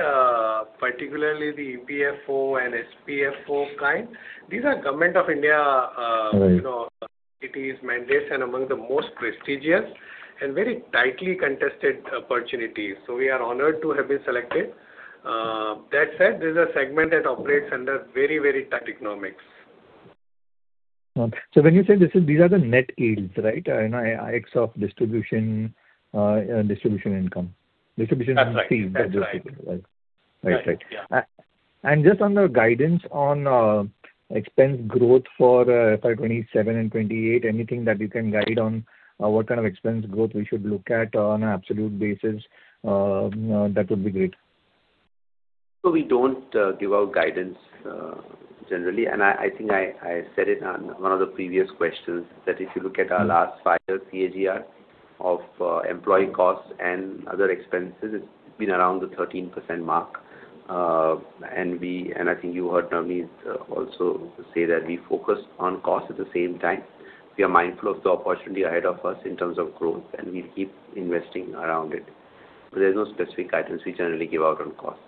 particularly the EPFO and SPFO kind, these are government of India. Right It is one of the mandates and among the most prestigious and very tightly contested opportunities. We are honored to have been selected. That said, this is a segment that operates under very, very tight economics. When you say this is, these are the net yields, right? Ex of distribution income. Distribution fees- That's right. Right. Just on the guidance on expense growth for FY 2027 and 2028, anything that you can guide on what kind of expense growth we should look at on an absolute basis? That would be great. We don't give out guidance generally, and I think I said it on one of the previous questions, that if you look at our last five-year CAGR of employee costs and other expenses, it's been around the 13% mark. I think you heard Navneet also say that we focus on cost at the same time. We are mindful of the opportunity ahead of us in terms of growth, and we'll keep investing around it. There's no specific guidance we generally give out on cost.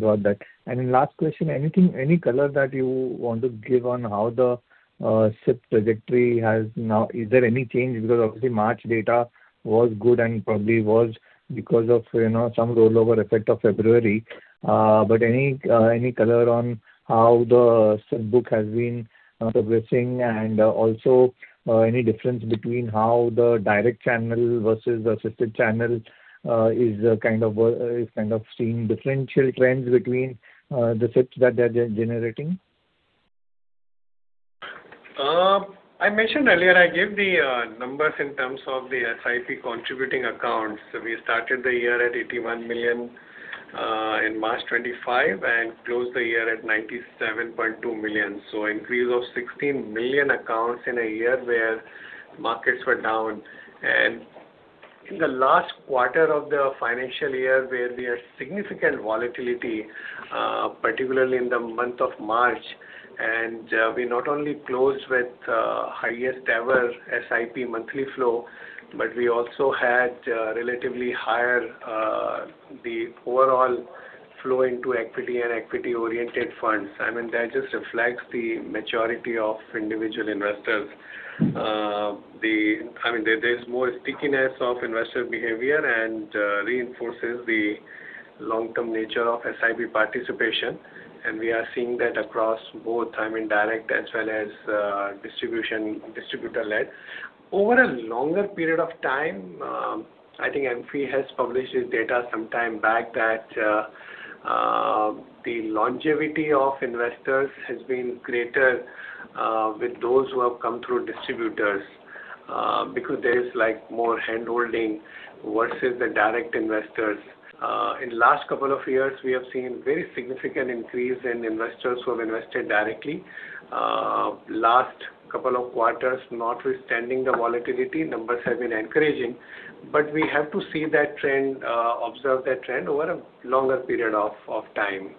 Got that. Last question, any color that you want to give on how the SIP trajectory has now. Is there any change? Because obviously March data was good and probably was because of some rollover effect of February. Any color on how the SIP book has been progressing and also any difference between how the direct channel versus assisted channel is kind of seeing differential trends between the SIPs that they're generating? I mentioned earlier, I gave the numbers in terms of the SIP contributing accounts. We started the year at 81 million in March 2025 and closed the year at 97.2 million. Increase of 16 million accounts in a year where markets were down. In the last quarter of the financial year where there's significant volatility, particularly in the month of March. We not only closed with highest ever SIP monthly flow, but we also had relatively higher, the overall flow into equity and equity-oriented funds. That just reflects the maturity of individual investors. There's more stickiness of investor behavior and reinforces the long-term nature of SIP participation, and we are seeing that across both direct as well as distributor-led. Over a longer period of time, I think AMFI has published this data sometime back that the longevity of investors has been greater with those who have come through distributors. There is more handholding versus the direct investors. In last couple of years, we have seen very significant increase in investors who have invested directly. Last couple of quarters, notwithstanding the volatility, numbers have been encouraging. We have to observe that trend over a longer period of time.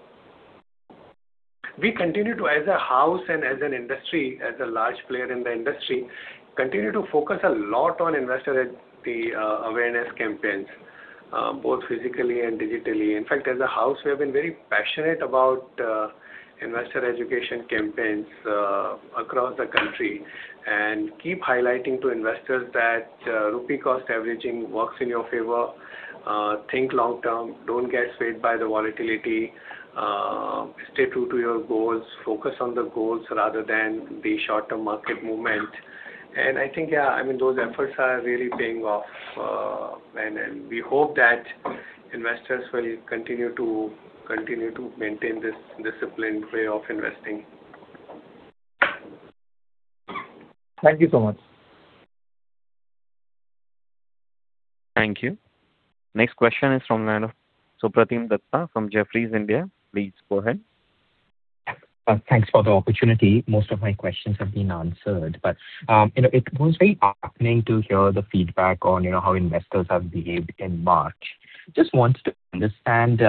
We continue to, as a house and as an industry, as a large player in the industry, continue to focus a lot on investor education, the awareness campaigns, both physically and digitally. In fact, as a house, we have been very passionate about investor education campaigns across the country and keep highlighting to investors that rupee cost averaging works in your favor. Think long-term. Don't get swayed by the volatility. Stay true to your goals, focus on the goals rather than the short-term market movement. I think, those efforts are really paying off. We hope that investors will continue to maintain this disciplined way of investing. Thank you so much. Thank you. Next question is from the line of Supratim Datta from Jefferies India. Please go ahead. Thanks for the opportunity. Most of my questions have been answered. It was very heartening to hear the feedback on how investors have behaved in March. Just wanted to understand,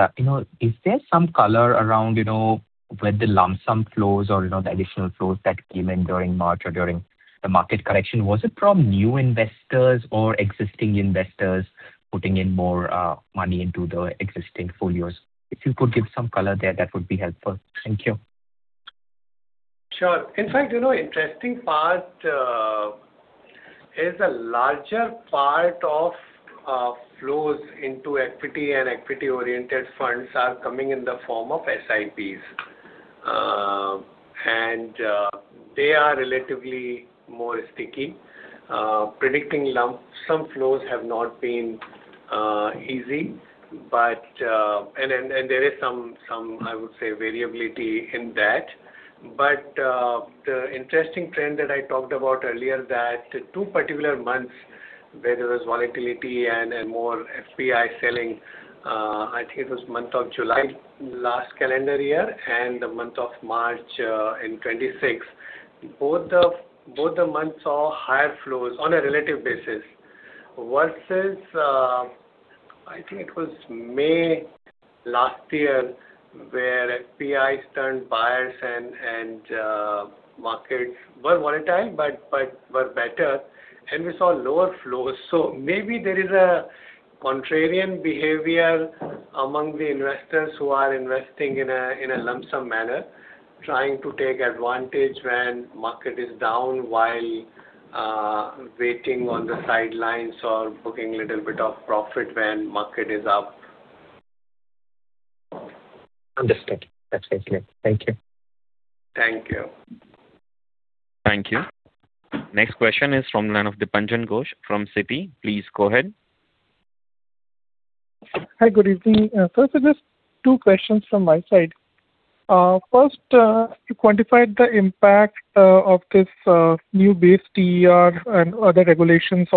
is there some color around where the lump sum flows or the additional flows that came in during March or during the market correction, was it from new investors or existing investors putting in more money into the existing folios? If you could give some color there, that would be helpful. Thank you. Sure. In fact, interesting part is a larger part of flows into equity and equity-oriented funds are coming in the form of SIPs. They are relatively more sticky. Predicting lump sum flows have not been easy, and there is some, I would say, variability in that. The interesting trend that I talked about earlier, that two particular months where there was volatility and more FPI selling, I think it was month of July last calendar year and the month of March in 2026. Both the months saw higher flows on a relative basis versus, I think it was May last year, where FPIs turned buyers and markets were volatile but were better, and we saw lower flows. Maybe there is a contrarian behavior among the investors who are investing in a lump sum manner, trying to take advantage when market is down while waiting on the sidelines or booking little bit of profit when market is up. Understood. That's very clear. Thank you. Thank you. Thank you. Next question is from the line of Dipanjan Ghosh from Citi. Please go ahead. Hi, good evening. Sir, so just two questions from my side. First, you quantified the impact of this new base TER and other regulations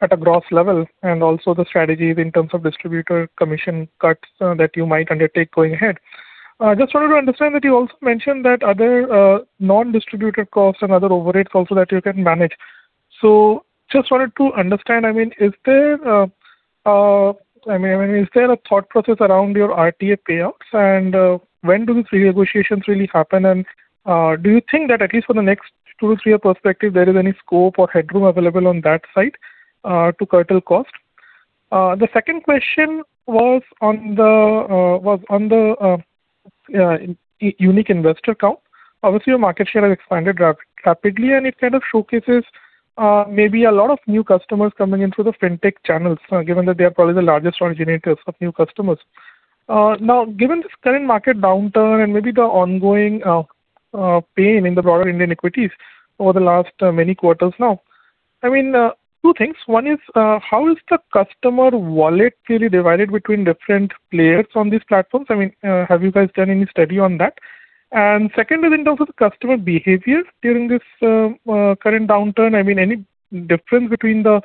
at a gross level, and also the strategies in terms of distributor commission cuts that you might undertake going ahead. I just wanted to understand that you also mentioned that other non-distributed costs and other overheads also that you can manage. Just wanted to understand, is there a thought process around your RTA payouts, and when do these renegotiations really happen? Do you think that at least for the next two to three year perspective, there is any scope or headroom available on that side to curtail cost? The second question was on the unique investor count. Obviously, your market share has expanded rapidly, and it kind of showcases maybe a lot of new customers coming in through the fintech channels, given that they are probably the largest originators of new customers. Now, given this current market downturn and maybe the ongoing pain in the broader Indian equities over the last many quarters now, two things. One is, how is the customer wallet fairly divided between different players on these platforms? Have you guys done any study on that? Second is in terms of the customer behavior during this current downturn, any difference between the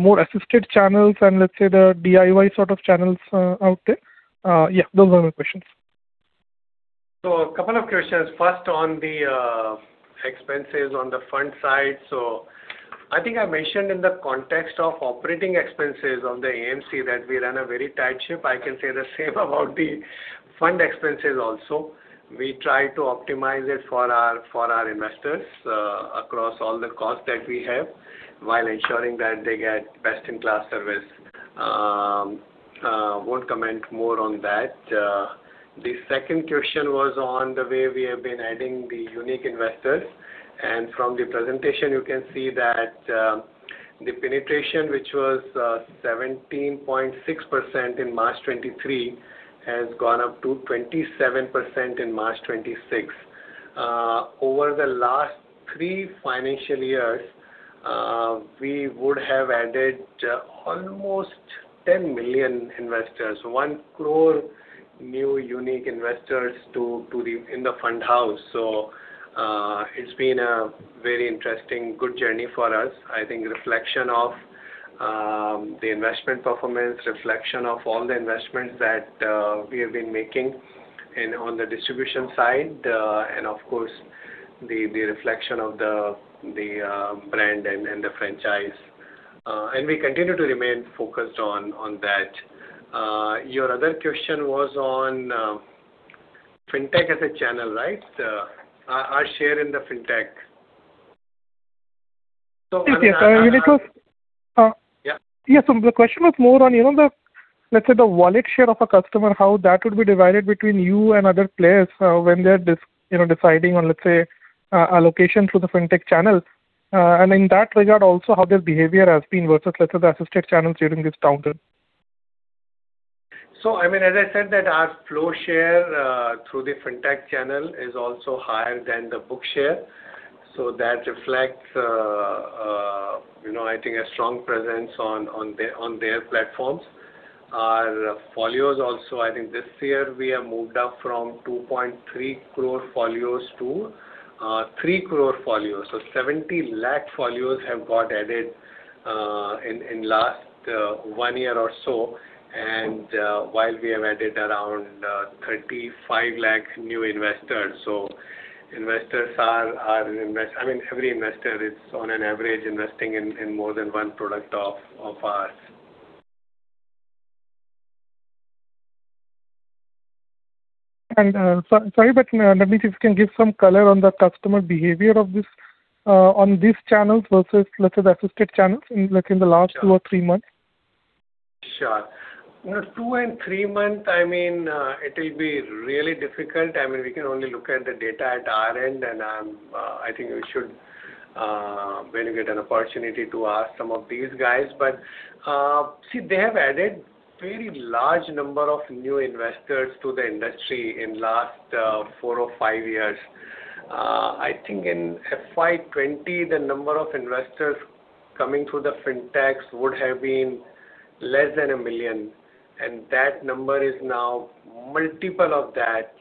more assisted channels and let's say the DIY sort of channels out there? Yeah, those are my questions. A couple of questions. First on the expenses on the fund side. I think I mentioned in the context of operating expenses on the AMC that we run a very tight ship. I can say the same about the fund expenses also. We try to optimize it for our investors across all the costs that we have while ensuring that they get best-in-class service. Won't comment more on that. The second question was on the way we have been adding the unique investors. From the presentation, you can see that the penetration, which was 17.6% in March 2023, has gone up to 27% in March 2026. Over the last three financial years, we would have added almost 10 million investors, one crore new unique investors in the fund house. It's been a very interesting, good journey for us. I think reflection of the investment performance, reflection of all the investments that we have been making and on the distribution side, and of course, the reflection of the brand and the franchise. We continue to remain focused on that. Your other question was on fintech as a channel, right? Our share in the fintech. Yes. Yeah. Yes. The question was more on, let's say the wallet share of a customer, how that would be divided between you and other players when they're deciding on, let's say, allocation through the fintech channel. In that regard, also how their behavior has been versus, let's say, the assisted channels during this downturn. As I said that our flow share through the fintech channel is also higher than the book share. That reflects, I think, a strong presence on their platforms. Our folios also, I think, this year we have moved up from 2.3 crore folios to 3 crore folios. 70 lakh folios have got added in last one year or so, and we have added around 35 lakh new investors. Every investor is on an average investing in more than one product of ours. Sorry, but let me see if you can give some color on the customer behavior on these channels versus, let's say, the assisted channels in like the last two or three months? Sure, two and three months, it will be really difficult. We can only look at the data at our end, and I think we should when you get an opportunity to ask some of these guys. See, they have added very large number of new investors to the industry in last four or five years. I think in FY 2020, the number of investors coming through the fintechs would have been less than 1 million, and that number is now multiple of that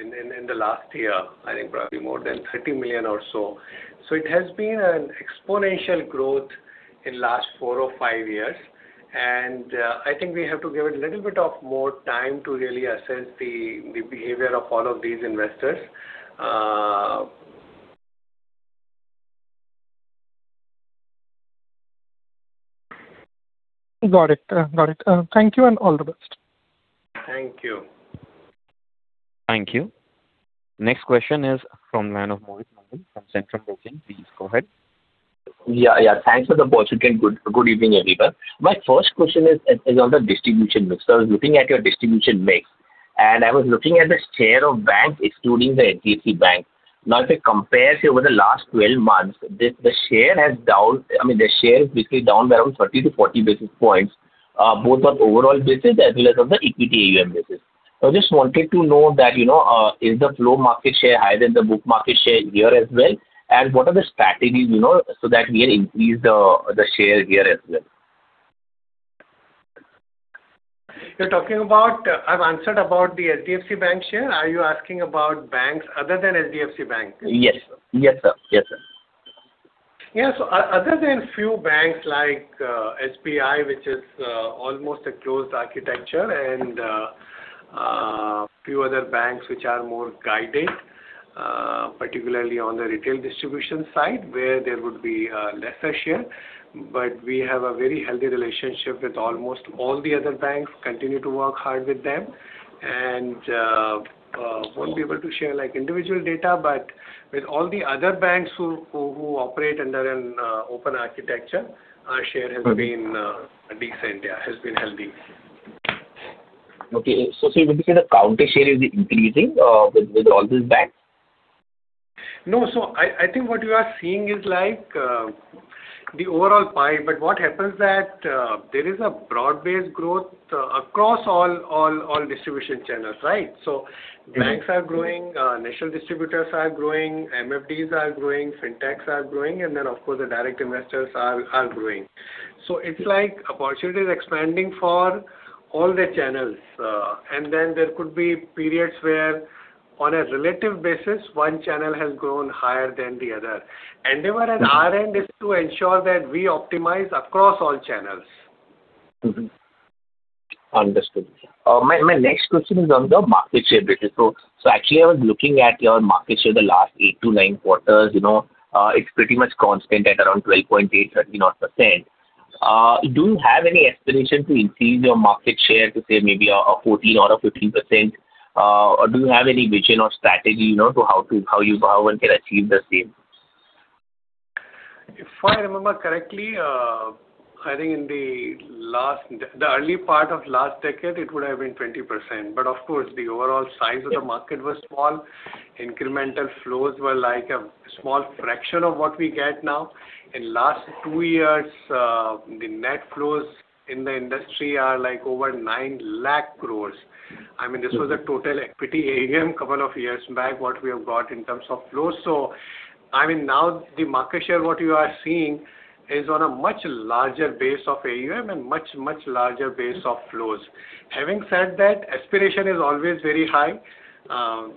in the last year. I think probably more than 30 million or so. It has been an exponential growth in last four or five years, and I think we have to give it a little bit of more time to really assess the behavior of all of these investors. Got it. Thank you, and all the best. Thank you. Thank you. Next question is from Manav Mohit Munjal from Centrum Broking. Please go ahead. Yeah. Thanks for the opportunity. Good evening, everyone. My first question is on the distribution mix. I was looking at your distribution mix, and I was looking at the share of banks excluding the HDFC Bank. Now, if I compare, say, over the last 12 months, the share is basically down by around 30-40 basis points both on overall basis as well as on the equity AUM basis. I just wanted to know that, is the flow market share higher than the book market share here as well? What are the strategies so that we increase the share here as well? You're talking about. I've answered about the HDFC Bank share. Are you asking about banks other than HDFC Bank? Yes, sir. Yeah. Other than few banks like SBI, which is almost a closed architecture, and few other banks which are more guided, particularly on the retail distribution side where there would be a lesser share, but we have a very healthy relationship with almost all the other banks, continue to work hard with them. Won't be able to share like individual data, but with all the other banks who operate under an open architecture, our share has been decent, yeah, has been healthy. Okay. Would you say the market share is increasing with all these banks? No. I think what you are seeing is like the overall pie. What happens that there is a broad-based growth across all distribution channels, right? Banks are growing, national distributors are growing, MFDs are growing, fintechs are growing, and then of course the direct investors are growing. It's like opportunity is expanding for all the channels. Then there could be periods where on a relative basis, one channel has grown higher than the other. Endeavor at our end is to ensure that we optimize across all channels. Understood. My next question is on the market share basis. Actually, I was looking at your market share the last eight to nine quarters. It's pretty much constant at around 12.8%-13% or so. Do you have any aspiration to increase your market share to say maybe 14% or 15%? Or do you have any vision or strategy to how one can achieve the same? If I remember correctly, I think in the early part of last decade it would have been 20%. Of course, the overall size of the market was small. Incremental flows were like a small fraction of what we get now. In last two years, the net flows in the industry are like over 9 lakh crores. This was a total equity AUM couple of years back what we have got in terms of flows, so, I mean, now the market share, what you are seeing is on a much larger base of AUM and much, much larger base of flows. Having said that, aspiration is always very high.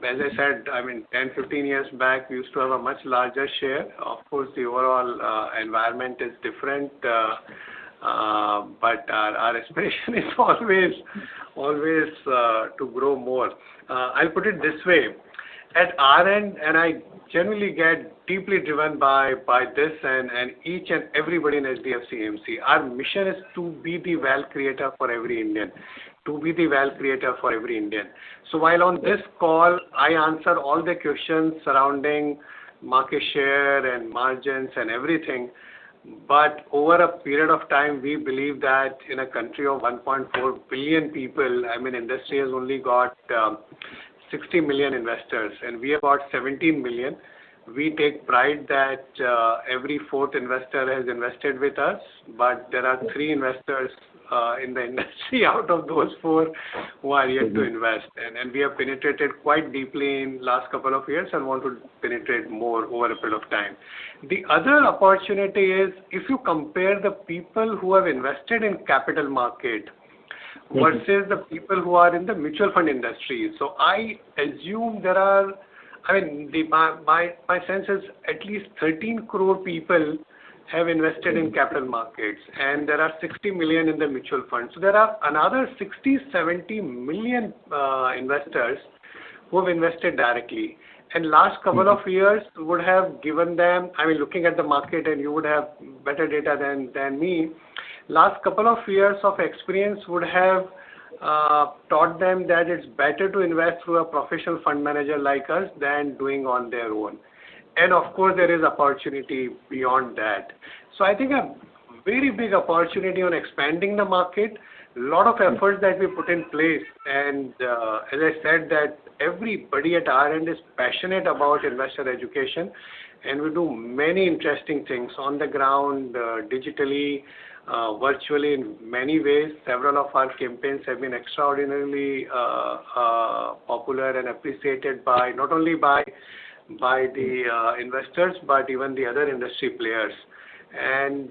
As I said, 10, 15 years back, we used to have a much larger share. Of course, the overall environment is different. Our aspiration is always to grow more. I'll put it this way. At our end, and I generally get deeply driven by this and each and everybody in HDFC AMC, our mission is to be the wealth creator for every Indian. To be the wealth creator for every Indian. While on this call, I answer all the questions surrounding market share and margins and everything, but over a period of time, we believe that in a country of 1.4 billion people, industry has only got 60 million investors, and we have got 17 million. We take pride that every fourth investor has invested with us. There are three investors in the industry out of those four who are yet to invest. We have penetrated quite deeply in last couple of years and want to penetrate more over a period of time. The other opportunity is, if you compare the people who have invested in capital market versus the people who are in the mutual fund industry. My sense is at least 13 crore people have invested in capital markets, and there are 60 million in the mutual funds. There are another 60, 70 million investors who have invested directly. Last couple of years would have given them, I mean, looking at the market, and you would have better data than me, last couple of years of experience would have taught them that it's better to invest through a professional fund manager like us than doing on their own. Of course, there is opportunity beyond that. I think a very big opportunity on expanding the market, lot of efforts that we put in place. As I said that everybody at our end is passionate about investor education, and we do many interesting things on the ground, digitally, virtually, in many ways. Several of our campaigns have been extraordinarily popular and appreciated, not only by the investors, but even the other industry players.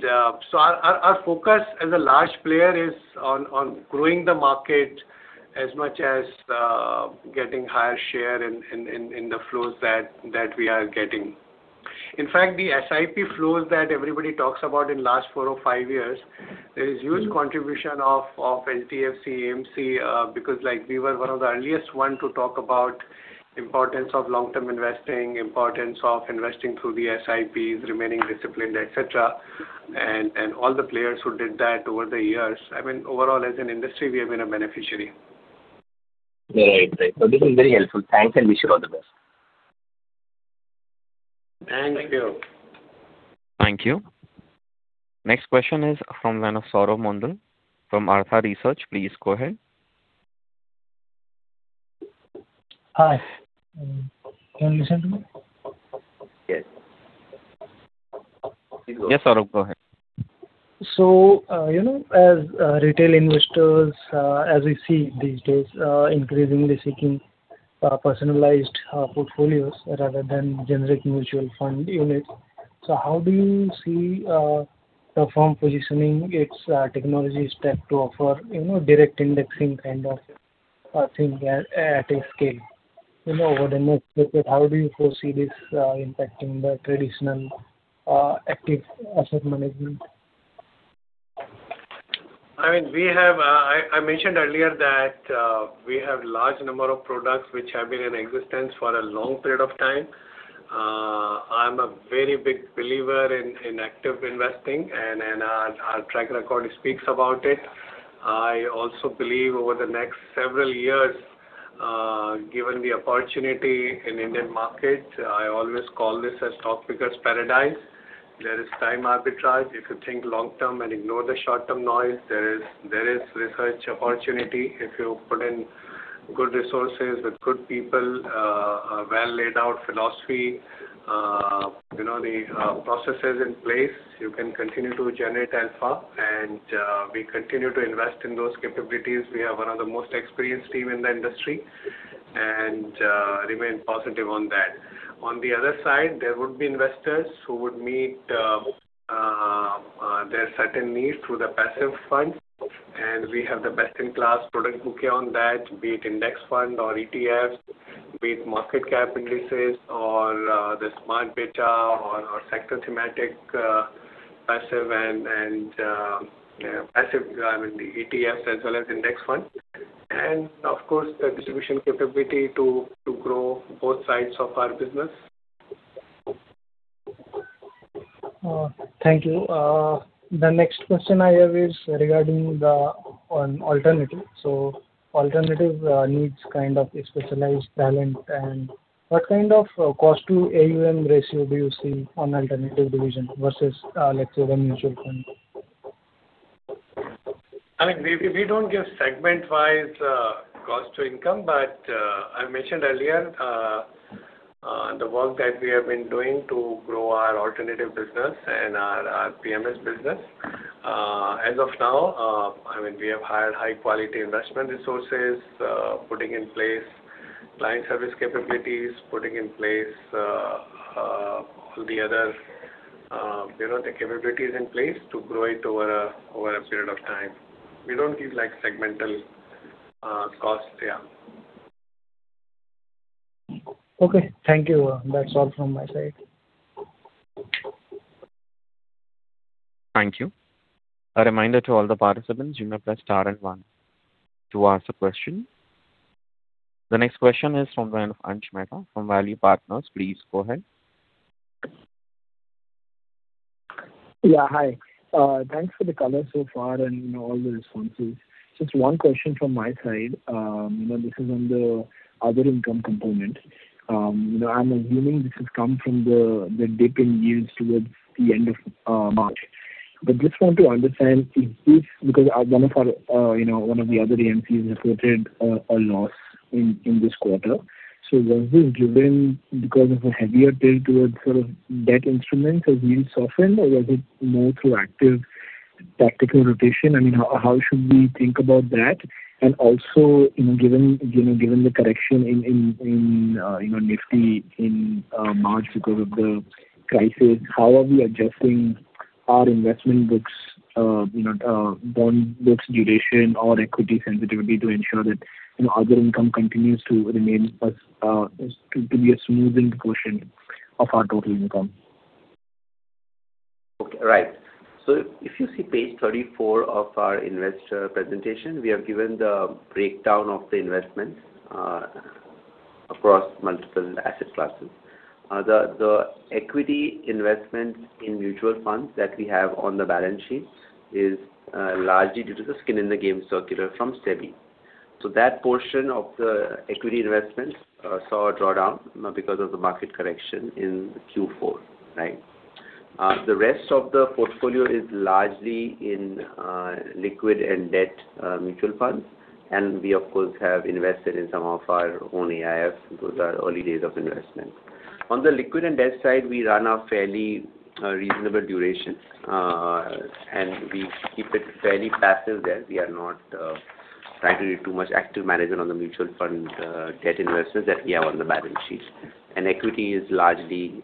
Our focus as a large player is on growing the market as much as getting higher share in the flows that we are getting. In fact, the SIP flows that everybody talks about in last four or five years, there is huge contribution of HDFC AMC. Because we were one of the earliest one to talk about importance of long-term investing, importance of investing through the SIPs, remaining disciplined, et cetera. All the players who did that over the years. I mean, overall, as an industry, we have been a beneficiary. Right. This is very helpful. Thanks, and wish you all the best. Thank you. Thank you. Next question is from the line of Saurabh Munjal from Artha Research. Please go ahead. Hi. Can you listen to me? Yes. Yes, Saurabh, go ahead. As retail investors, as we see these days, are increasingly seeking personalized portfolios rather than generic mutual fund units. How do you see the firm positioning its technology stack to offer direct indexing kind of a thing at a scale? Over the next decade, how do you foresee this impacting the traditional active asset management? I mentioned earlier that we have large number of products which have been in existence for a long period of time. I'm a very big believer in active investing, and our track record speaks about it. I also believe over the next several years, given the opportunity in Indian market, I always call this a stock picker's paradise. There is time arbitrage. If you think long-term and ignore the short-term noise, there is research opportunity. If you put in good resources with good people, a well-laid-out philosophy, the processes in place, you can continue to generate alpha. We continue to invest in those capabilities. We have one of the most experienced team in the industry and remain positive on that. On the other side, there would be investors who would meet their certain needs through the passive funds, and we have the best-in-class product bouquet on that, be it index fund or ETFs, be it market cap indices or the smart beta or sector thematic passive and ETFs as well as index fund. Of course, the distribution capability to grow both sides of our business. Thank you. The next question I have is regarding on alternative. Alternative needs kind of a specialized talent and what kind of cost to AUM ratio do you see on alternative division versus, let's say, the mutual fund? We don't give segment-wise cost to income, but I mentioned earlier, the work that we have been doing to grow our alternative business and our PMS business. As of now, we have hired high-quality investment resources, putting in place client service capabilities, putting in place all the other capabilities in place to grow it over a period of time. We don't give segmental costs. Yeah. Okay. Thank you. That's all from my side. Thank you. A reminder to all the participants, you may press star and one to ask a question. The next question is from Ansh Mehta from Value Partners. Please go ahead. Yeah. Hi. Thanks for the color so far and all the responses. Just one question from my side. This is on the other income component. I'm assuming this has come from the dip in yields towards the end of March. Just want to understand if, because one of the other AMCs reported a loss in this quarter, so was this driven because of a heavier tilt towards sort of debt instruments as yields softened or was it more through active tactical rotation? I mean, how should we think about that? Also, given the correction in Nifty in March because of the crisis, how are we adjusting our investment books, bond books duration or equity sensitivity to ensure that other income continues to remain plus, to be a smoothing quotient of our total income? Okay. Right. If you see page 34 of our investor presentation, we have given the breakdown of the investments across multiple asset classes. The equity investment in mutual funds that we have on the balance sheet is largely due to the skin in the game circular from SEBI. That portion of the equity investment saw a drawdown because of the market correction in Q4. Right? The rest of the portfolio is largely in liquid and debt mutual funds. We of course have invested in some of our own AIFs. Those are early days of investment. On the liquid and debt side, we run a fairly reasonable duration, and we keep it fairly passive there. We are not trying to do too much active management on the mutual fund debt investments that we have on the balance sheet. Equity is largely...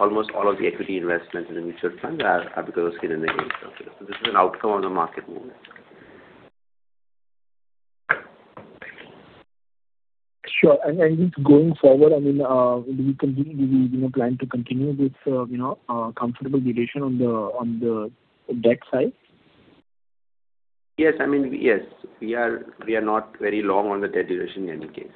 Almost all of the equity investments in the mutual fund are because of skin in the game circular. This is an outcome of the market movement. Sure. Just going forward, do you plan to continue this comfortable duration on the debt side? Yes. We are not very long on the debt duration in any case.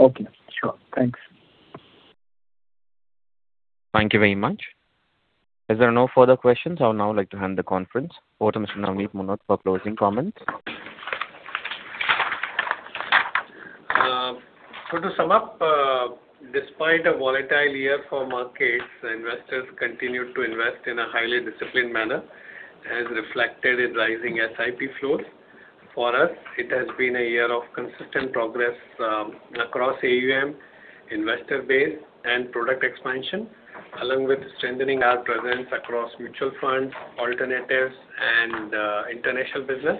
Okay. Sure. Thanks. Thank you very much. As there are no further questions, I would now like to hand the conference over to Mr. Navneet Munot for closing comments. To sum up, despite a volatile year for markets, investors continued to invest in a highly disciplined manner, as reflected in rising SIP flows. For us, it has been a year of consistent progress across AUM, investor base, and product expansion, along with strengthening our presence across mutual funds, alternatives, and international business.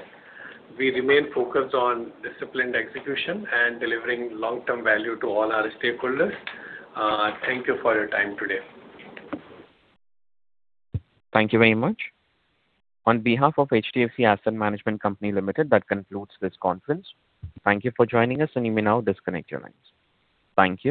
We remain focused on disciplined execution and delivering long-term value to all our stakeholders. Thank you for your time today. Thank you very much. On behalf of HDFC Asset Management Company Limited, that concludes this conference. Thank you for joining us, and you may now disconnect your lines. Thank you.